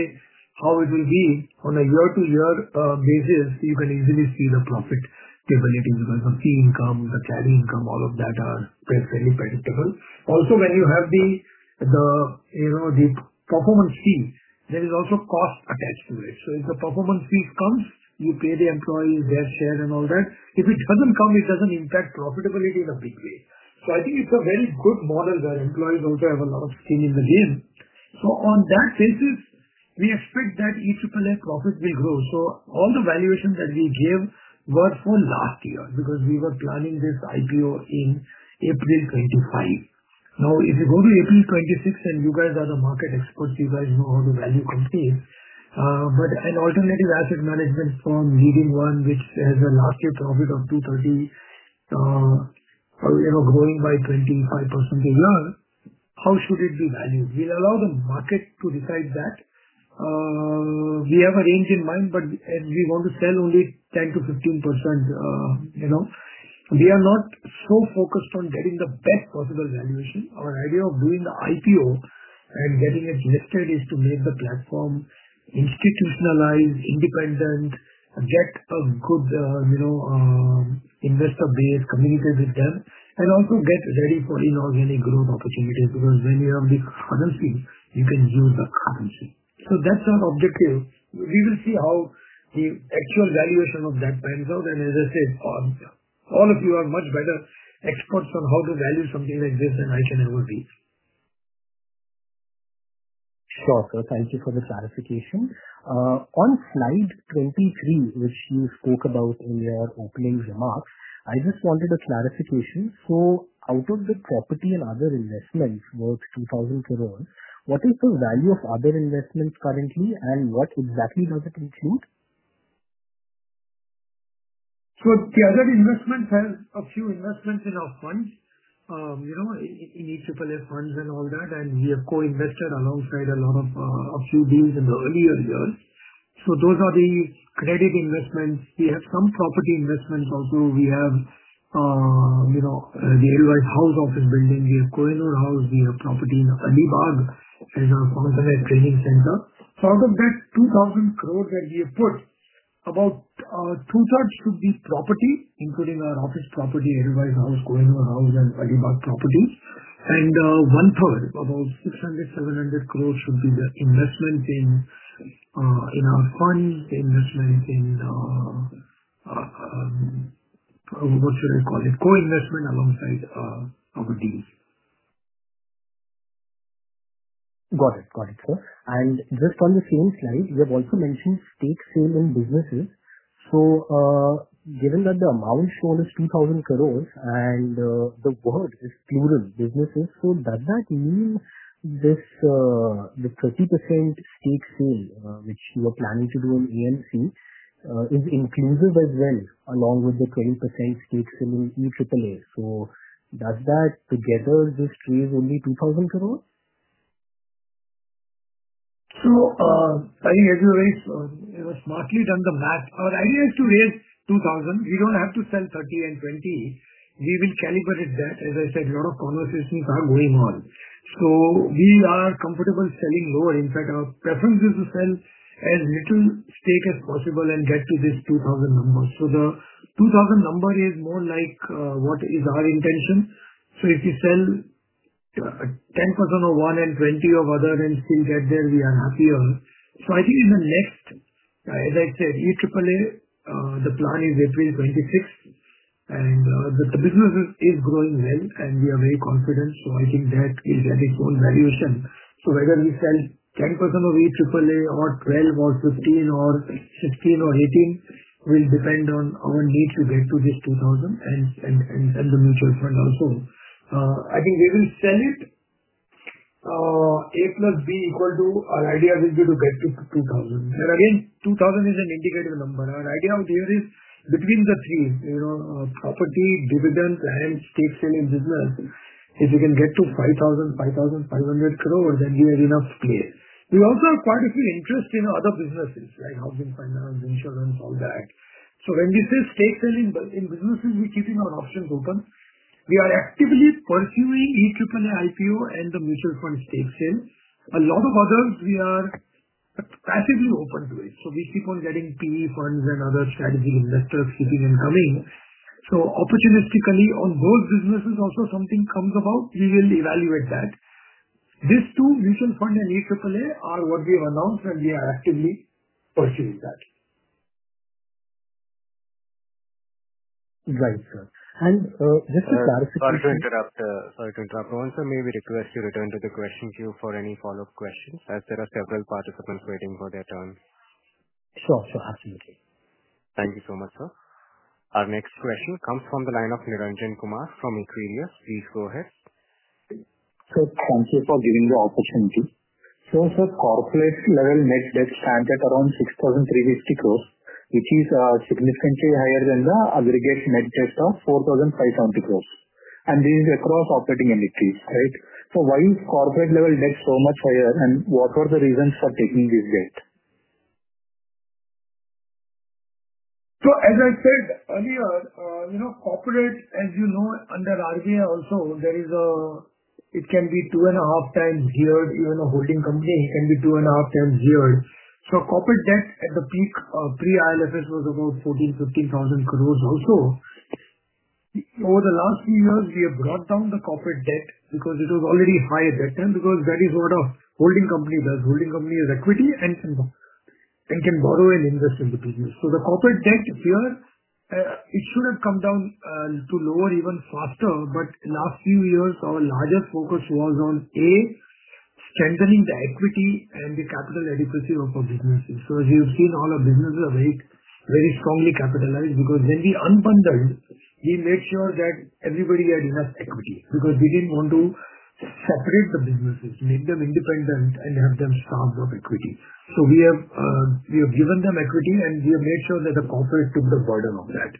Speaker 3: how it will be. On a year-to-year basis, you can easily see the profit stability because of the fee income, the travel income, all of that are fairly predictable. Also, when you have the performance fee, there is also cost attached to it. If the performance fee comes, you pay the employees their share and all that. If it doesn't come, it doesn't impact profitability in a big way. I think it's a very good model where employees also have a lot of skin in the game. On that basis, we expect that EAAA profit will grow. All the valuations that we give were for last year because we were planning this IPO in April 2025. Now, if you go to April 2026 and you guys are the market experts, you guys know how the value compares. An alternative asset management firm, leading one, which has a last-year profit of 230 million, you know, growing by 25% a year, how should it be valued? We allow the market to decide that. We have a range in mind, but we want to sell only 10%-15%. You know, we are not so focused on getting the best possible valuation. Our idea of doing the IPO and getting it listed is to make the platform institutionalized, independent, get a good, you know, investor base, communicate with them, and also get ready for inorganic growth opportunities because when you have the currency, you can use the currency. That's our objective. We will see how the actual valuation of that turns out. As I said, all of you are much better experts on how to value something like this than I can ever be.
Speaker 7: Thank you for the clarification. On slide 23, which you spoke about in your opening remarks, I just wanted a clarification. Out of the property and other investments, worth 2,000 crores, what is the value of other investments currently, and what exactly does it include?
Speaker 3: The other investments are a few investments in our funds, in EAAA funds and all that. We have co-invested alongside a lot of a few deals in the earlier years. Those are the credit investments. We have some property investments also. We have the Edelweiss House office building, Kohinoor House, we have Alibaug property, and our online trading center. Out of that 2,000 crores that we have put, about two-thirds should be property, including our office property, Edelweiss House, Kohinoor House, and Alibaug properties. 1/3, about 600-700 crores, should be the investments in our funds, investments in co-investment alongside properties.
Speaker 7: Got it. On the same slide, you have also mentioned stake sale in businesses. Given that the amount shown is 3,000 crore and the word is plural, businesses, does that mean the 30% stake sale, which you are planning to do in the mutual fund business, is inclusive as well, along with the 20% stake sale in EAAA? Does that together just raise only INR 2,000 crore?
Speaker 3: I think as you raised, you know, smartly done the math. Our idea is to raise 2,000 crore. We don't have to sell 30% and 20%. We will calibrate that. As I said, a lot of conversations are going on. We are comfortable selling lower. In fact, our preference is to sell as little stake as possible and get to this 2,000 crore number. The 2,000 crore number is more like what is our intention. If you sell 10% of one and 20% of others and still get there, we are happier. In the next, as I said, EAAA, the plan is April 26. The business is growing well, and we are very confident. That is at its own valuation. Whether we sell 10% of EAAA or 12% or 15% or 16% or 18% will depend on our need to get to this 2,000 crore and the mutual fund also. We will sell it A plus B equal to our idea will be to get to 2,000 crore. Again, 2,000 crore is an indicative number. Our idea out here is between the three, you know, property, dividends, and stake sale in business. If you can get to 5,000 crore, 5,500 crore, then we have enough space. We also have quite a few interests in other businesses, like housing finance, insurance, all that. When we say stake selling in businesses, we're keeping our options open. We are actively pursuing EAAA IPO and the mutual fund stake sale. A lot of others, we are passively open to it. We keep on getting PE funds and other strategy investors keeping on coming. Opportunistically, on those businesses, also something comes about. We will evaluate that. These two, mutual fund and EAAA, are what we've announced, and we are actively pursuing that.
Speaker 7: Right, sir. Just to clarify.
Speaker 1: Sorry to interrupt. Mohan sir, may we request you return to the question queue for any follow-up questions, as there are several participants waiting for their turns?
Speaker 7: Sure. Sure. Absolutely.
Speaker 1: Thank you so much, sir. Our next question comes from the line of Niranjan Kumar from Equirus. Please go ahead.
Speaker 8: Sure. Thank you for giving the opportunity. Sir, corporate level net debt stands at around 6,350 crore, which is significantly higher than the aggregate net debt of 4,570 crore. These are across operating entities, right? Why is corporate level debt so much higher, and what are the reasons for taking this debt?
Speaker 3: As I said earlier, corporate, as you know, under RBI also, it can be 2.5 times yield. Even a holding company can be 2.5 times yield. Corporate debt at the peak pre-ILFS was about 14,000, 15,000 crore also. Over the last few years, we have brought down the corporate debt because it was already high at that time because that is what a holding company does. Holding company is equity and can borrow and invest in the business. The corporate debt, if you ask, it should have come down to lower even faster. In the last few years, our larger focus was on, A, strengthening the equity and the capital adequacy of our businesses. As you've seen, all our businesses are very, very strongly capitalized because when we unbundled, we made sure that everybody had enough equity because we didn't want to operate the businesses, make them independent, and have them starve of equity. We have given them equity, and we have made sure that the corporate took the burden of that.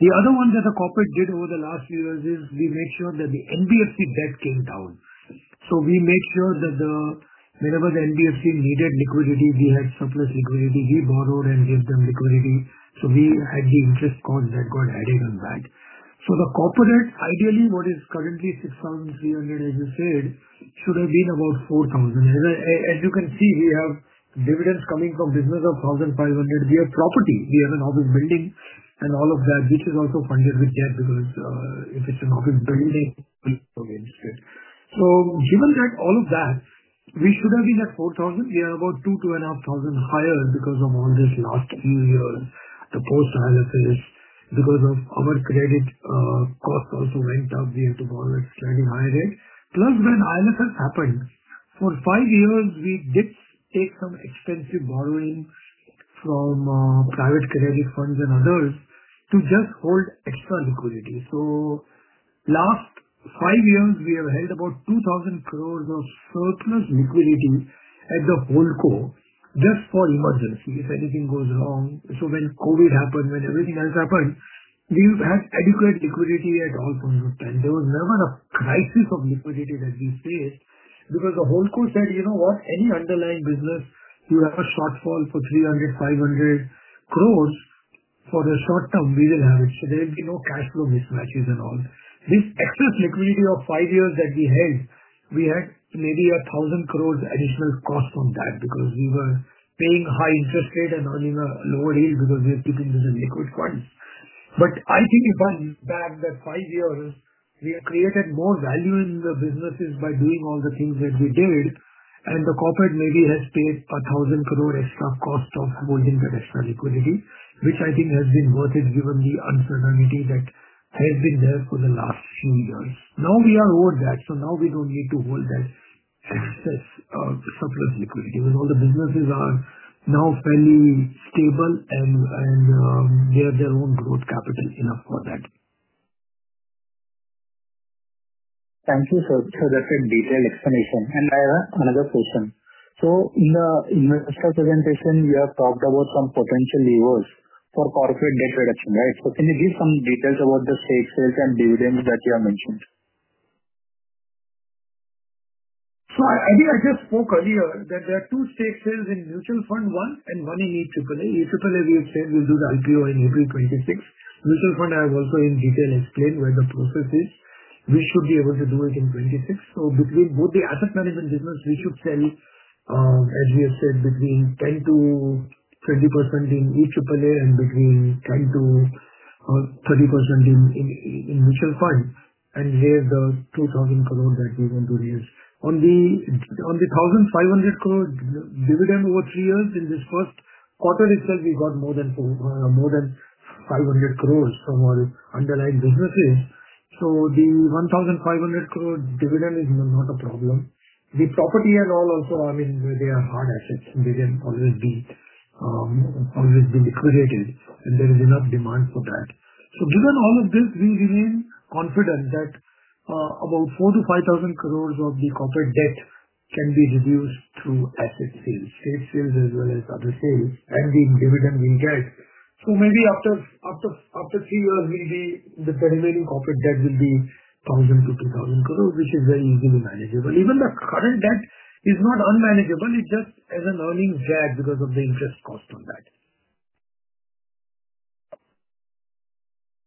Speaker 3: The other one that the corporate did over the last few years is we made sure that the NBFC debt came down. We made sure that whenever the NBFC needed liquidity, we had surplus liquidity. We borrowed and gave them liquidity. We had the interest cost that got added on that. The corporate, ideally, what is currently 6,300, as you said, should have been about 4,000. As you can see, we have dividends coming from business of 1,500. We have property. We have an office building and all of that, which is also funded with debt because it is an office building. Given that, all of that, we should have been at 4,000. We are about 2,000, 2,500 higher because of all this last new year, the post-ILFS, because our credit costs also went up. We had to borrow at a slightly higher rate. Plus, when ILFS happened, for five years, we did take some extensive borrowing from private credit funds and others to just hold extra liquidity. The last five years, we have held about 2,000 crore of surplus liquidity at the holdco just for emergencies if anything goes wrong. When COVID happened, when everything else happened, we would have adequate liquidity at all points of time. There was a crisis of liquidity that we faced because the whole core said, "You know what? Any underlying business, you have a shortfall for 300 crore, 500 crore for the short term, we will have it." There will be no cash flow mismatches at all. This excess liquidity of five years that we held, we had maybe 1,000 crore additional cost on that because we were paying a high interest rate and earning a lower yield because we had taken this as a liquid fund. I think if I use that five years, we have created more value in the businesses by doing all the things that we did. The corporate maybe has paid 1,000 crore extra cost of holding the extra liquidity, which I think has been worth it given the uncertainty that has been there for the last few years. Now we are over that. We do not need to hold that excess of surplus liquidity when all the businesses are now fairly stable and they have their own growth capitals enough for that.
Speaker 8: Thank you, sir, for that in detailed explanation. Now, another question. In the investor presentation, you have talked about some potential levers for corporate debt reduction, right? Can you give some details about the stake sales and dividends that you have mentioned?
Speaker 3: I think I just spoke earlier that there are two stake sales in the mutual fund, one and one in EAAA. EAAA, as we have said, will do the IPO in April 2026. Mutual fund, I have also in detail explained where the process is. We should be able to do it in 2026. Between both the asset management business, we should sell, as we have said, between 10%-20% in EAAA and between 10%-30% in mutual funds and raise the 2,000 crores that we want to raise. On the 1,500 crores dividend over three years, in this first quarter itself, we got more than 500 crores from our underlying businesses. The 1,500 crores dividend is not a problem. The property and all also, I mean, they are hard assets. They can always be liquidated. There is enough demand for that. Given all of this, we remain confident that about 4,000-5,000 crores of the corporate debt can be reduced through asset sales, stake sales as well as other sales, and the dividend we get. Maybe after three years, the terminating corporate debt will be 1,000-2,000 crores, which is very easily manageable. Even the current debt is not unmanageable. It's just as an earnings debt because of the interest cost on that.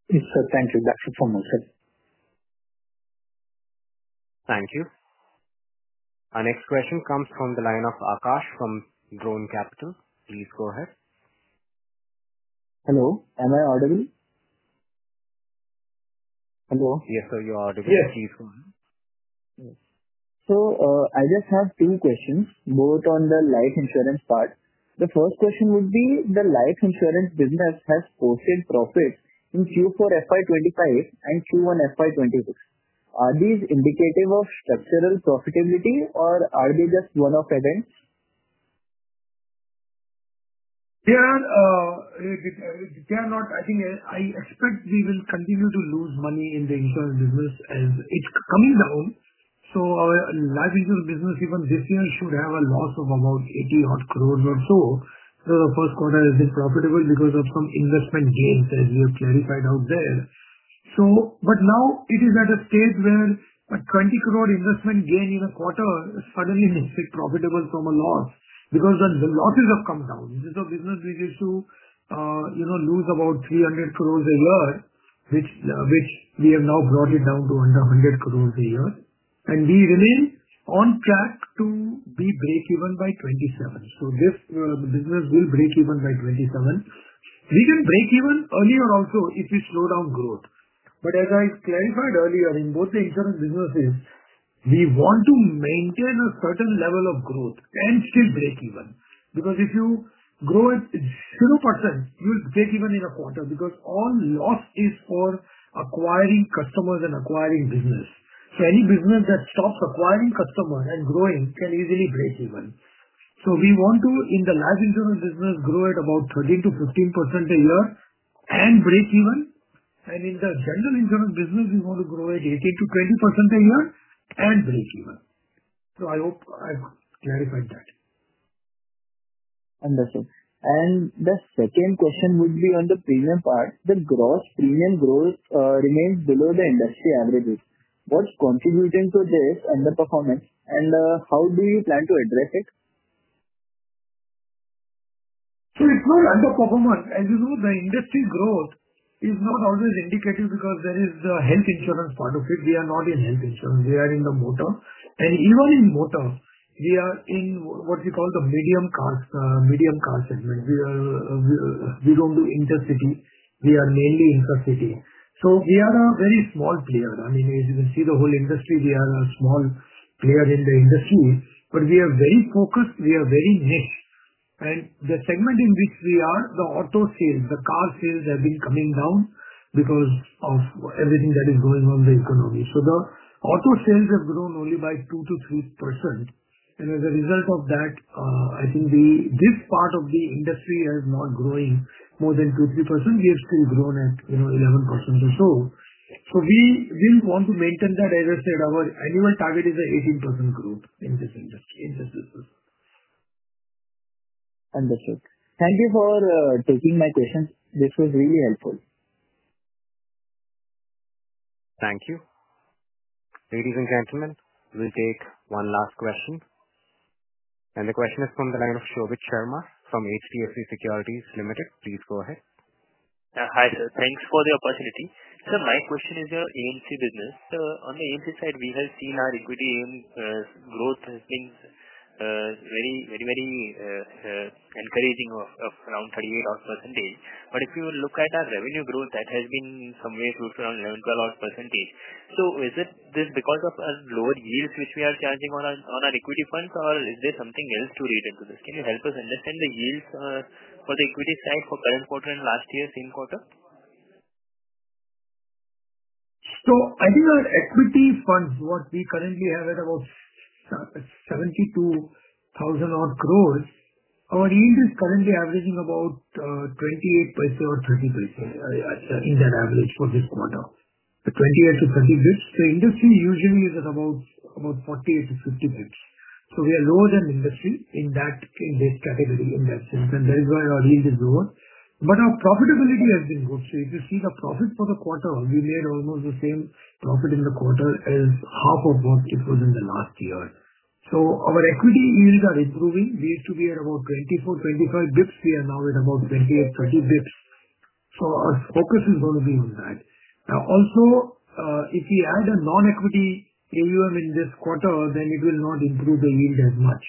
Speaker 8: Thank you so much.
Speaker 1: Thank you. Our next question comes from the line of Aakash from Dron Capital. Please go ahead.
Speaker 9: Hello. Am I audible?
Speaker 1: Yes, sir. You are audible. Please go ahead.
Speaker 9: Yes. I just have two questions, both on the life insurance part. The first question would be the life insurance business has posted profit in Q4 FY 2025 and Q1 FY 2026. Are these indicative of structural profitability, or are they just one-off events?
Speaker 3: They are not. I think I expect even continue to lose money in the insurance business as it's coming down. Our life insurance business, even this year, should have a loss of about 80 crore or so. The first quarter has been profitable because of some investment gains, as you clarified out there. It is at a stage where a 20 crore investment gain in a quarter suddenly looks profitable from a loss because the losses have come down. This is a business which used to lose about 300 crore a year, which we have now brought down to under 100 crore a year. We remain on track to be break-even by 2027. This business will break even by 2027. We can break even earlier also if we slow down growth. As I clarified earlier, in both the insurance businesses, we want to maintain a certain level of growth and still break even because if you grow at 0%, you will break even in a quarter because all loss is for acquiring customers and acquiring business. Any business that stops acquiring customers and growing can easily break even. We want to, in the life insurance business, grow at about 13%-15% a year and break even. In the general insurance business, we want to grow at 18%-20% a year and break even. I hope I clarified that.
Speaker 9: Understood. The second question would be on the premium part. The premium growth remains below the industry averages. What's contributing to this underperformance? How do you plan to address it?
Speaker 3: It is not underperformance. As you know, the industry growth is not how it is indicated because that is the health insurance part of it. We are not in health insurance. We are in the motor. Even in motor, we are in what we call the medium car segment. We do not do intercity. We are mainly intercity. We are a very small player. I mean, as you can see, the whole industry, we are a small player in the industry, but we are very focused. We are very niche. The segment in which we are, the auto sales, the car sales have been coming down because of everything that is going on in the economy. The auto sales have grown only by 2%-3%. As a result of that, I think this part of the industry is not growing more than 2%-3%. We have still grown at 11% or so. We really want to maintain that. As I said, our annual target is an 18% growth in this industry.
Speaker 9: Understood. Thank you for taking my questions. This was really helpful.
Speaker 1: Thank you. Ladies and gentlemen, we'll take one last question. The question is from the line of Shobit Sharma from HDFC Securities Limited. Please go ahead.
Speaker 10: Hi, sir. Thanks for the opportunity. Sir, my question is your AMC business. Sir, on the AMC side, we have seen our equity growth has been very, very, very encouraging of around 38% odd. If you look at our revenue growth, that has been somewhere close to around 11%-12% odd. Is this because of our lower yields which we are charging on our equity funds, or is there something else to relate to this? Can you help us understand the yields for the equity side for current quarter and last year, same quarter?
Speaker 3: I think our equity funds, what we currently have at about 72,000 crore, our yield is currently averaging about 28%-30% in that average for this quarter, the 28%-30%. Industry usually is at about 48%-50%. We are lower than industry in this category, in that sense. That is why our yield is lower, but our profitability has been good. If you see the profit for the quarter, we made almost the same profit in the quarter as half of what it was in the last year. Our equity yields are improving. We used to be at about 24, 25 basis points. We are now at about 28, 30 basis points. Our focus is going to be on that. Also, if we add a non-equity AUM in this quarter, then it will not improve the yield as much.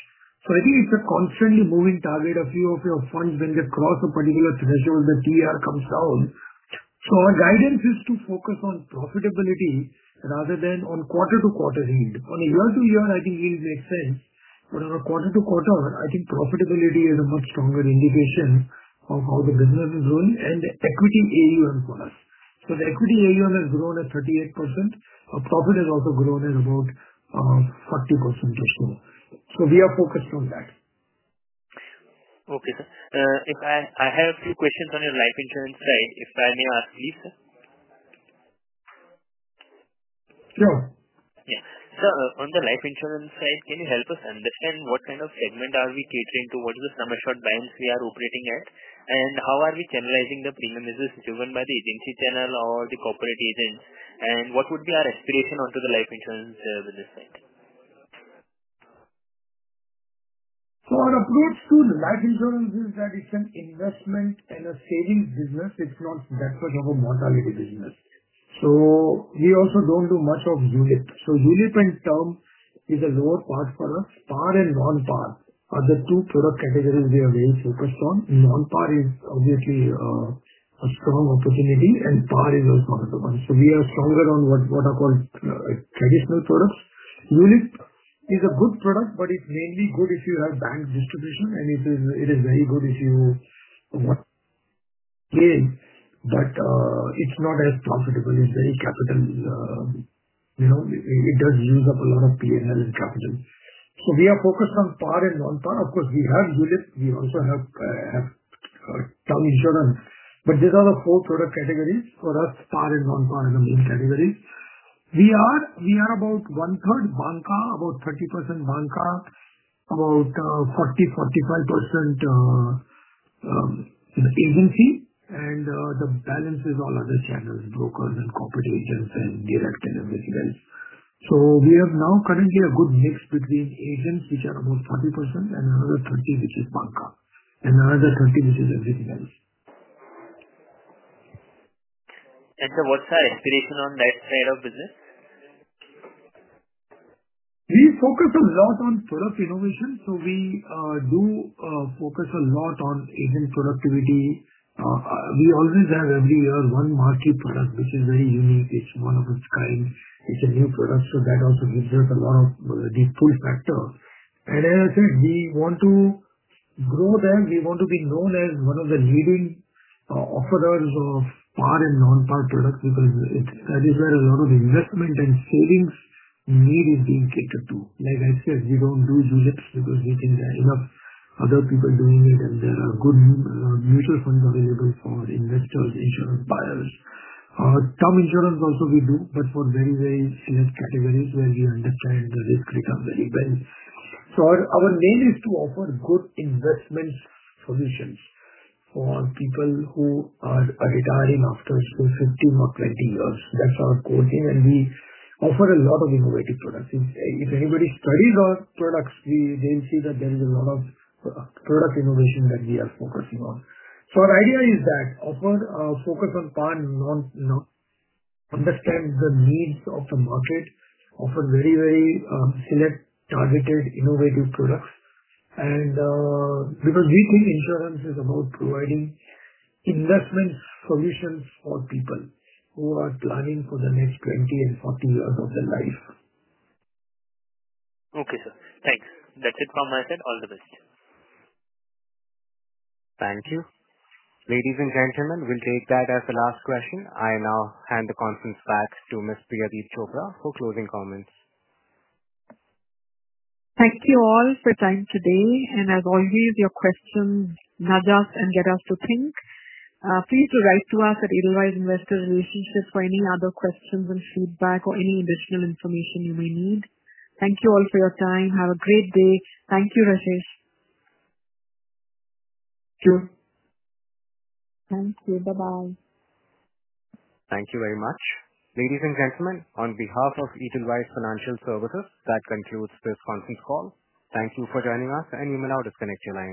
Speaker 3: I think it's a constantly moving target of your funds when they cross a particular threshold, the DR comes down. Our guidance is to focus on profitability rather than on quarter to quarter yield. On year to year, I think yield makes sense. On a quarter to quarter, I think profitability is a much stronger indication of how the business is doing and equity AUM for us. The equity AUM has grown at 38%. Our profit has also grown at about 40% or so. We are focused on that.
Speaker 10: Okay, sir. If I have a few questions on your life insurance side, if I may ask you, sir?
Speaker 3: Yeah.
Speaker 10: Yeah. Sir, on the life insurance side, can you help us understand what kind of segment are we catering to? What is the sum assured bands we are operating at? How are we generalizing the premium business driven by the agency channel or the corporate agents? What would be our aspiration onto the life insurance business side?
Speaker 3: Our approach to life insurance is that it's an investment and a savings business. It's not just a mortality business. We also don't do much of ULIP. ULIP, in terms, is a lower part for us. Par and non-par are the two product categories we are really focused on. Non-par is obviously a strong opportunity, and par is our product. We are stronger on what are called traditional products. ULIP is a good product, but it's mainly good if you have bank distribution, and it is a very good issue, again, but it's not as profitable. It's very capital. It does use up a lot of P&L capital. We are focused on par and non-par. Of course, we have ULIP We also have some insurance. These are the four product categories for us: Par and non-par in the main category. We are about one-third bancassurance, about 30% bancassurance, about 40-45% agency, and the balance is all other channels: brokers and corporate agents and direct and exit agents. We have now currently a good mix with these agents, which are about 40% and another 30%, which is non-par, and another 30%, which is exit agents.
Speaker 10: Sir, what's our aspiration on that side of business?
Speaker 3: We focus a lot on product innovation. We do focus a lot on agent productivity. We always have every year one market product, which is very unique. It's one of its kind. It's a new product. That also measures a lot of the pull factor. As I said, we want to grow them. We want to be known as one of the leading offers of par and non-par products because that is where a lot of investment and savings need is being catered to. Like I said, we don't do unit because we think there are enough other people doing it, and there are good mutual funds available for investors, insurance buyers. Some insurance also we do, but for very, very specifically when you understand the risk recovery. Our main is to offer good investment solutions for people who are retiring after 15 or 20 years. That's our client base, and we offer a lot of innovative products. If anybody studies our products, they'll see that there is a lot of product innovation that we are focusing on. Our idea is that our focus on par and non-par understands the needs of the market of a very, very select target. Innovative We're not using insurance. It's about providing investment solutions for people who are planning for the next 20 and 40 years of their life.
Speaker 10: Okay, sir. Thanks. That's it from my side. All the best.
Speaker 1: Thank you. Ladies and gentlemen, we'll take that as the last question. I now hand the conference back to Ms. Priyadeep Chopra for closing comments.
Speaker 2: Thank you all for your time today. Your questions nudge us and get us to think. Please write to us at Edelweiss Investor Relationship for any other questions and feedback or any additional information you may need. Thank you all for your time. Have a great day. Thank you, Rashesh.
Speaker 3: Thank you.
Speaker 2: Thank you. Bye-bye.
Speaker 1: Thank you very much. Ladies and gentlemen, on behalf of Edelweiss Financial Services, that concludes this conference call. Thank you for joining us, and you may now disconnect.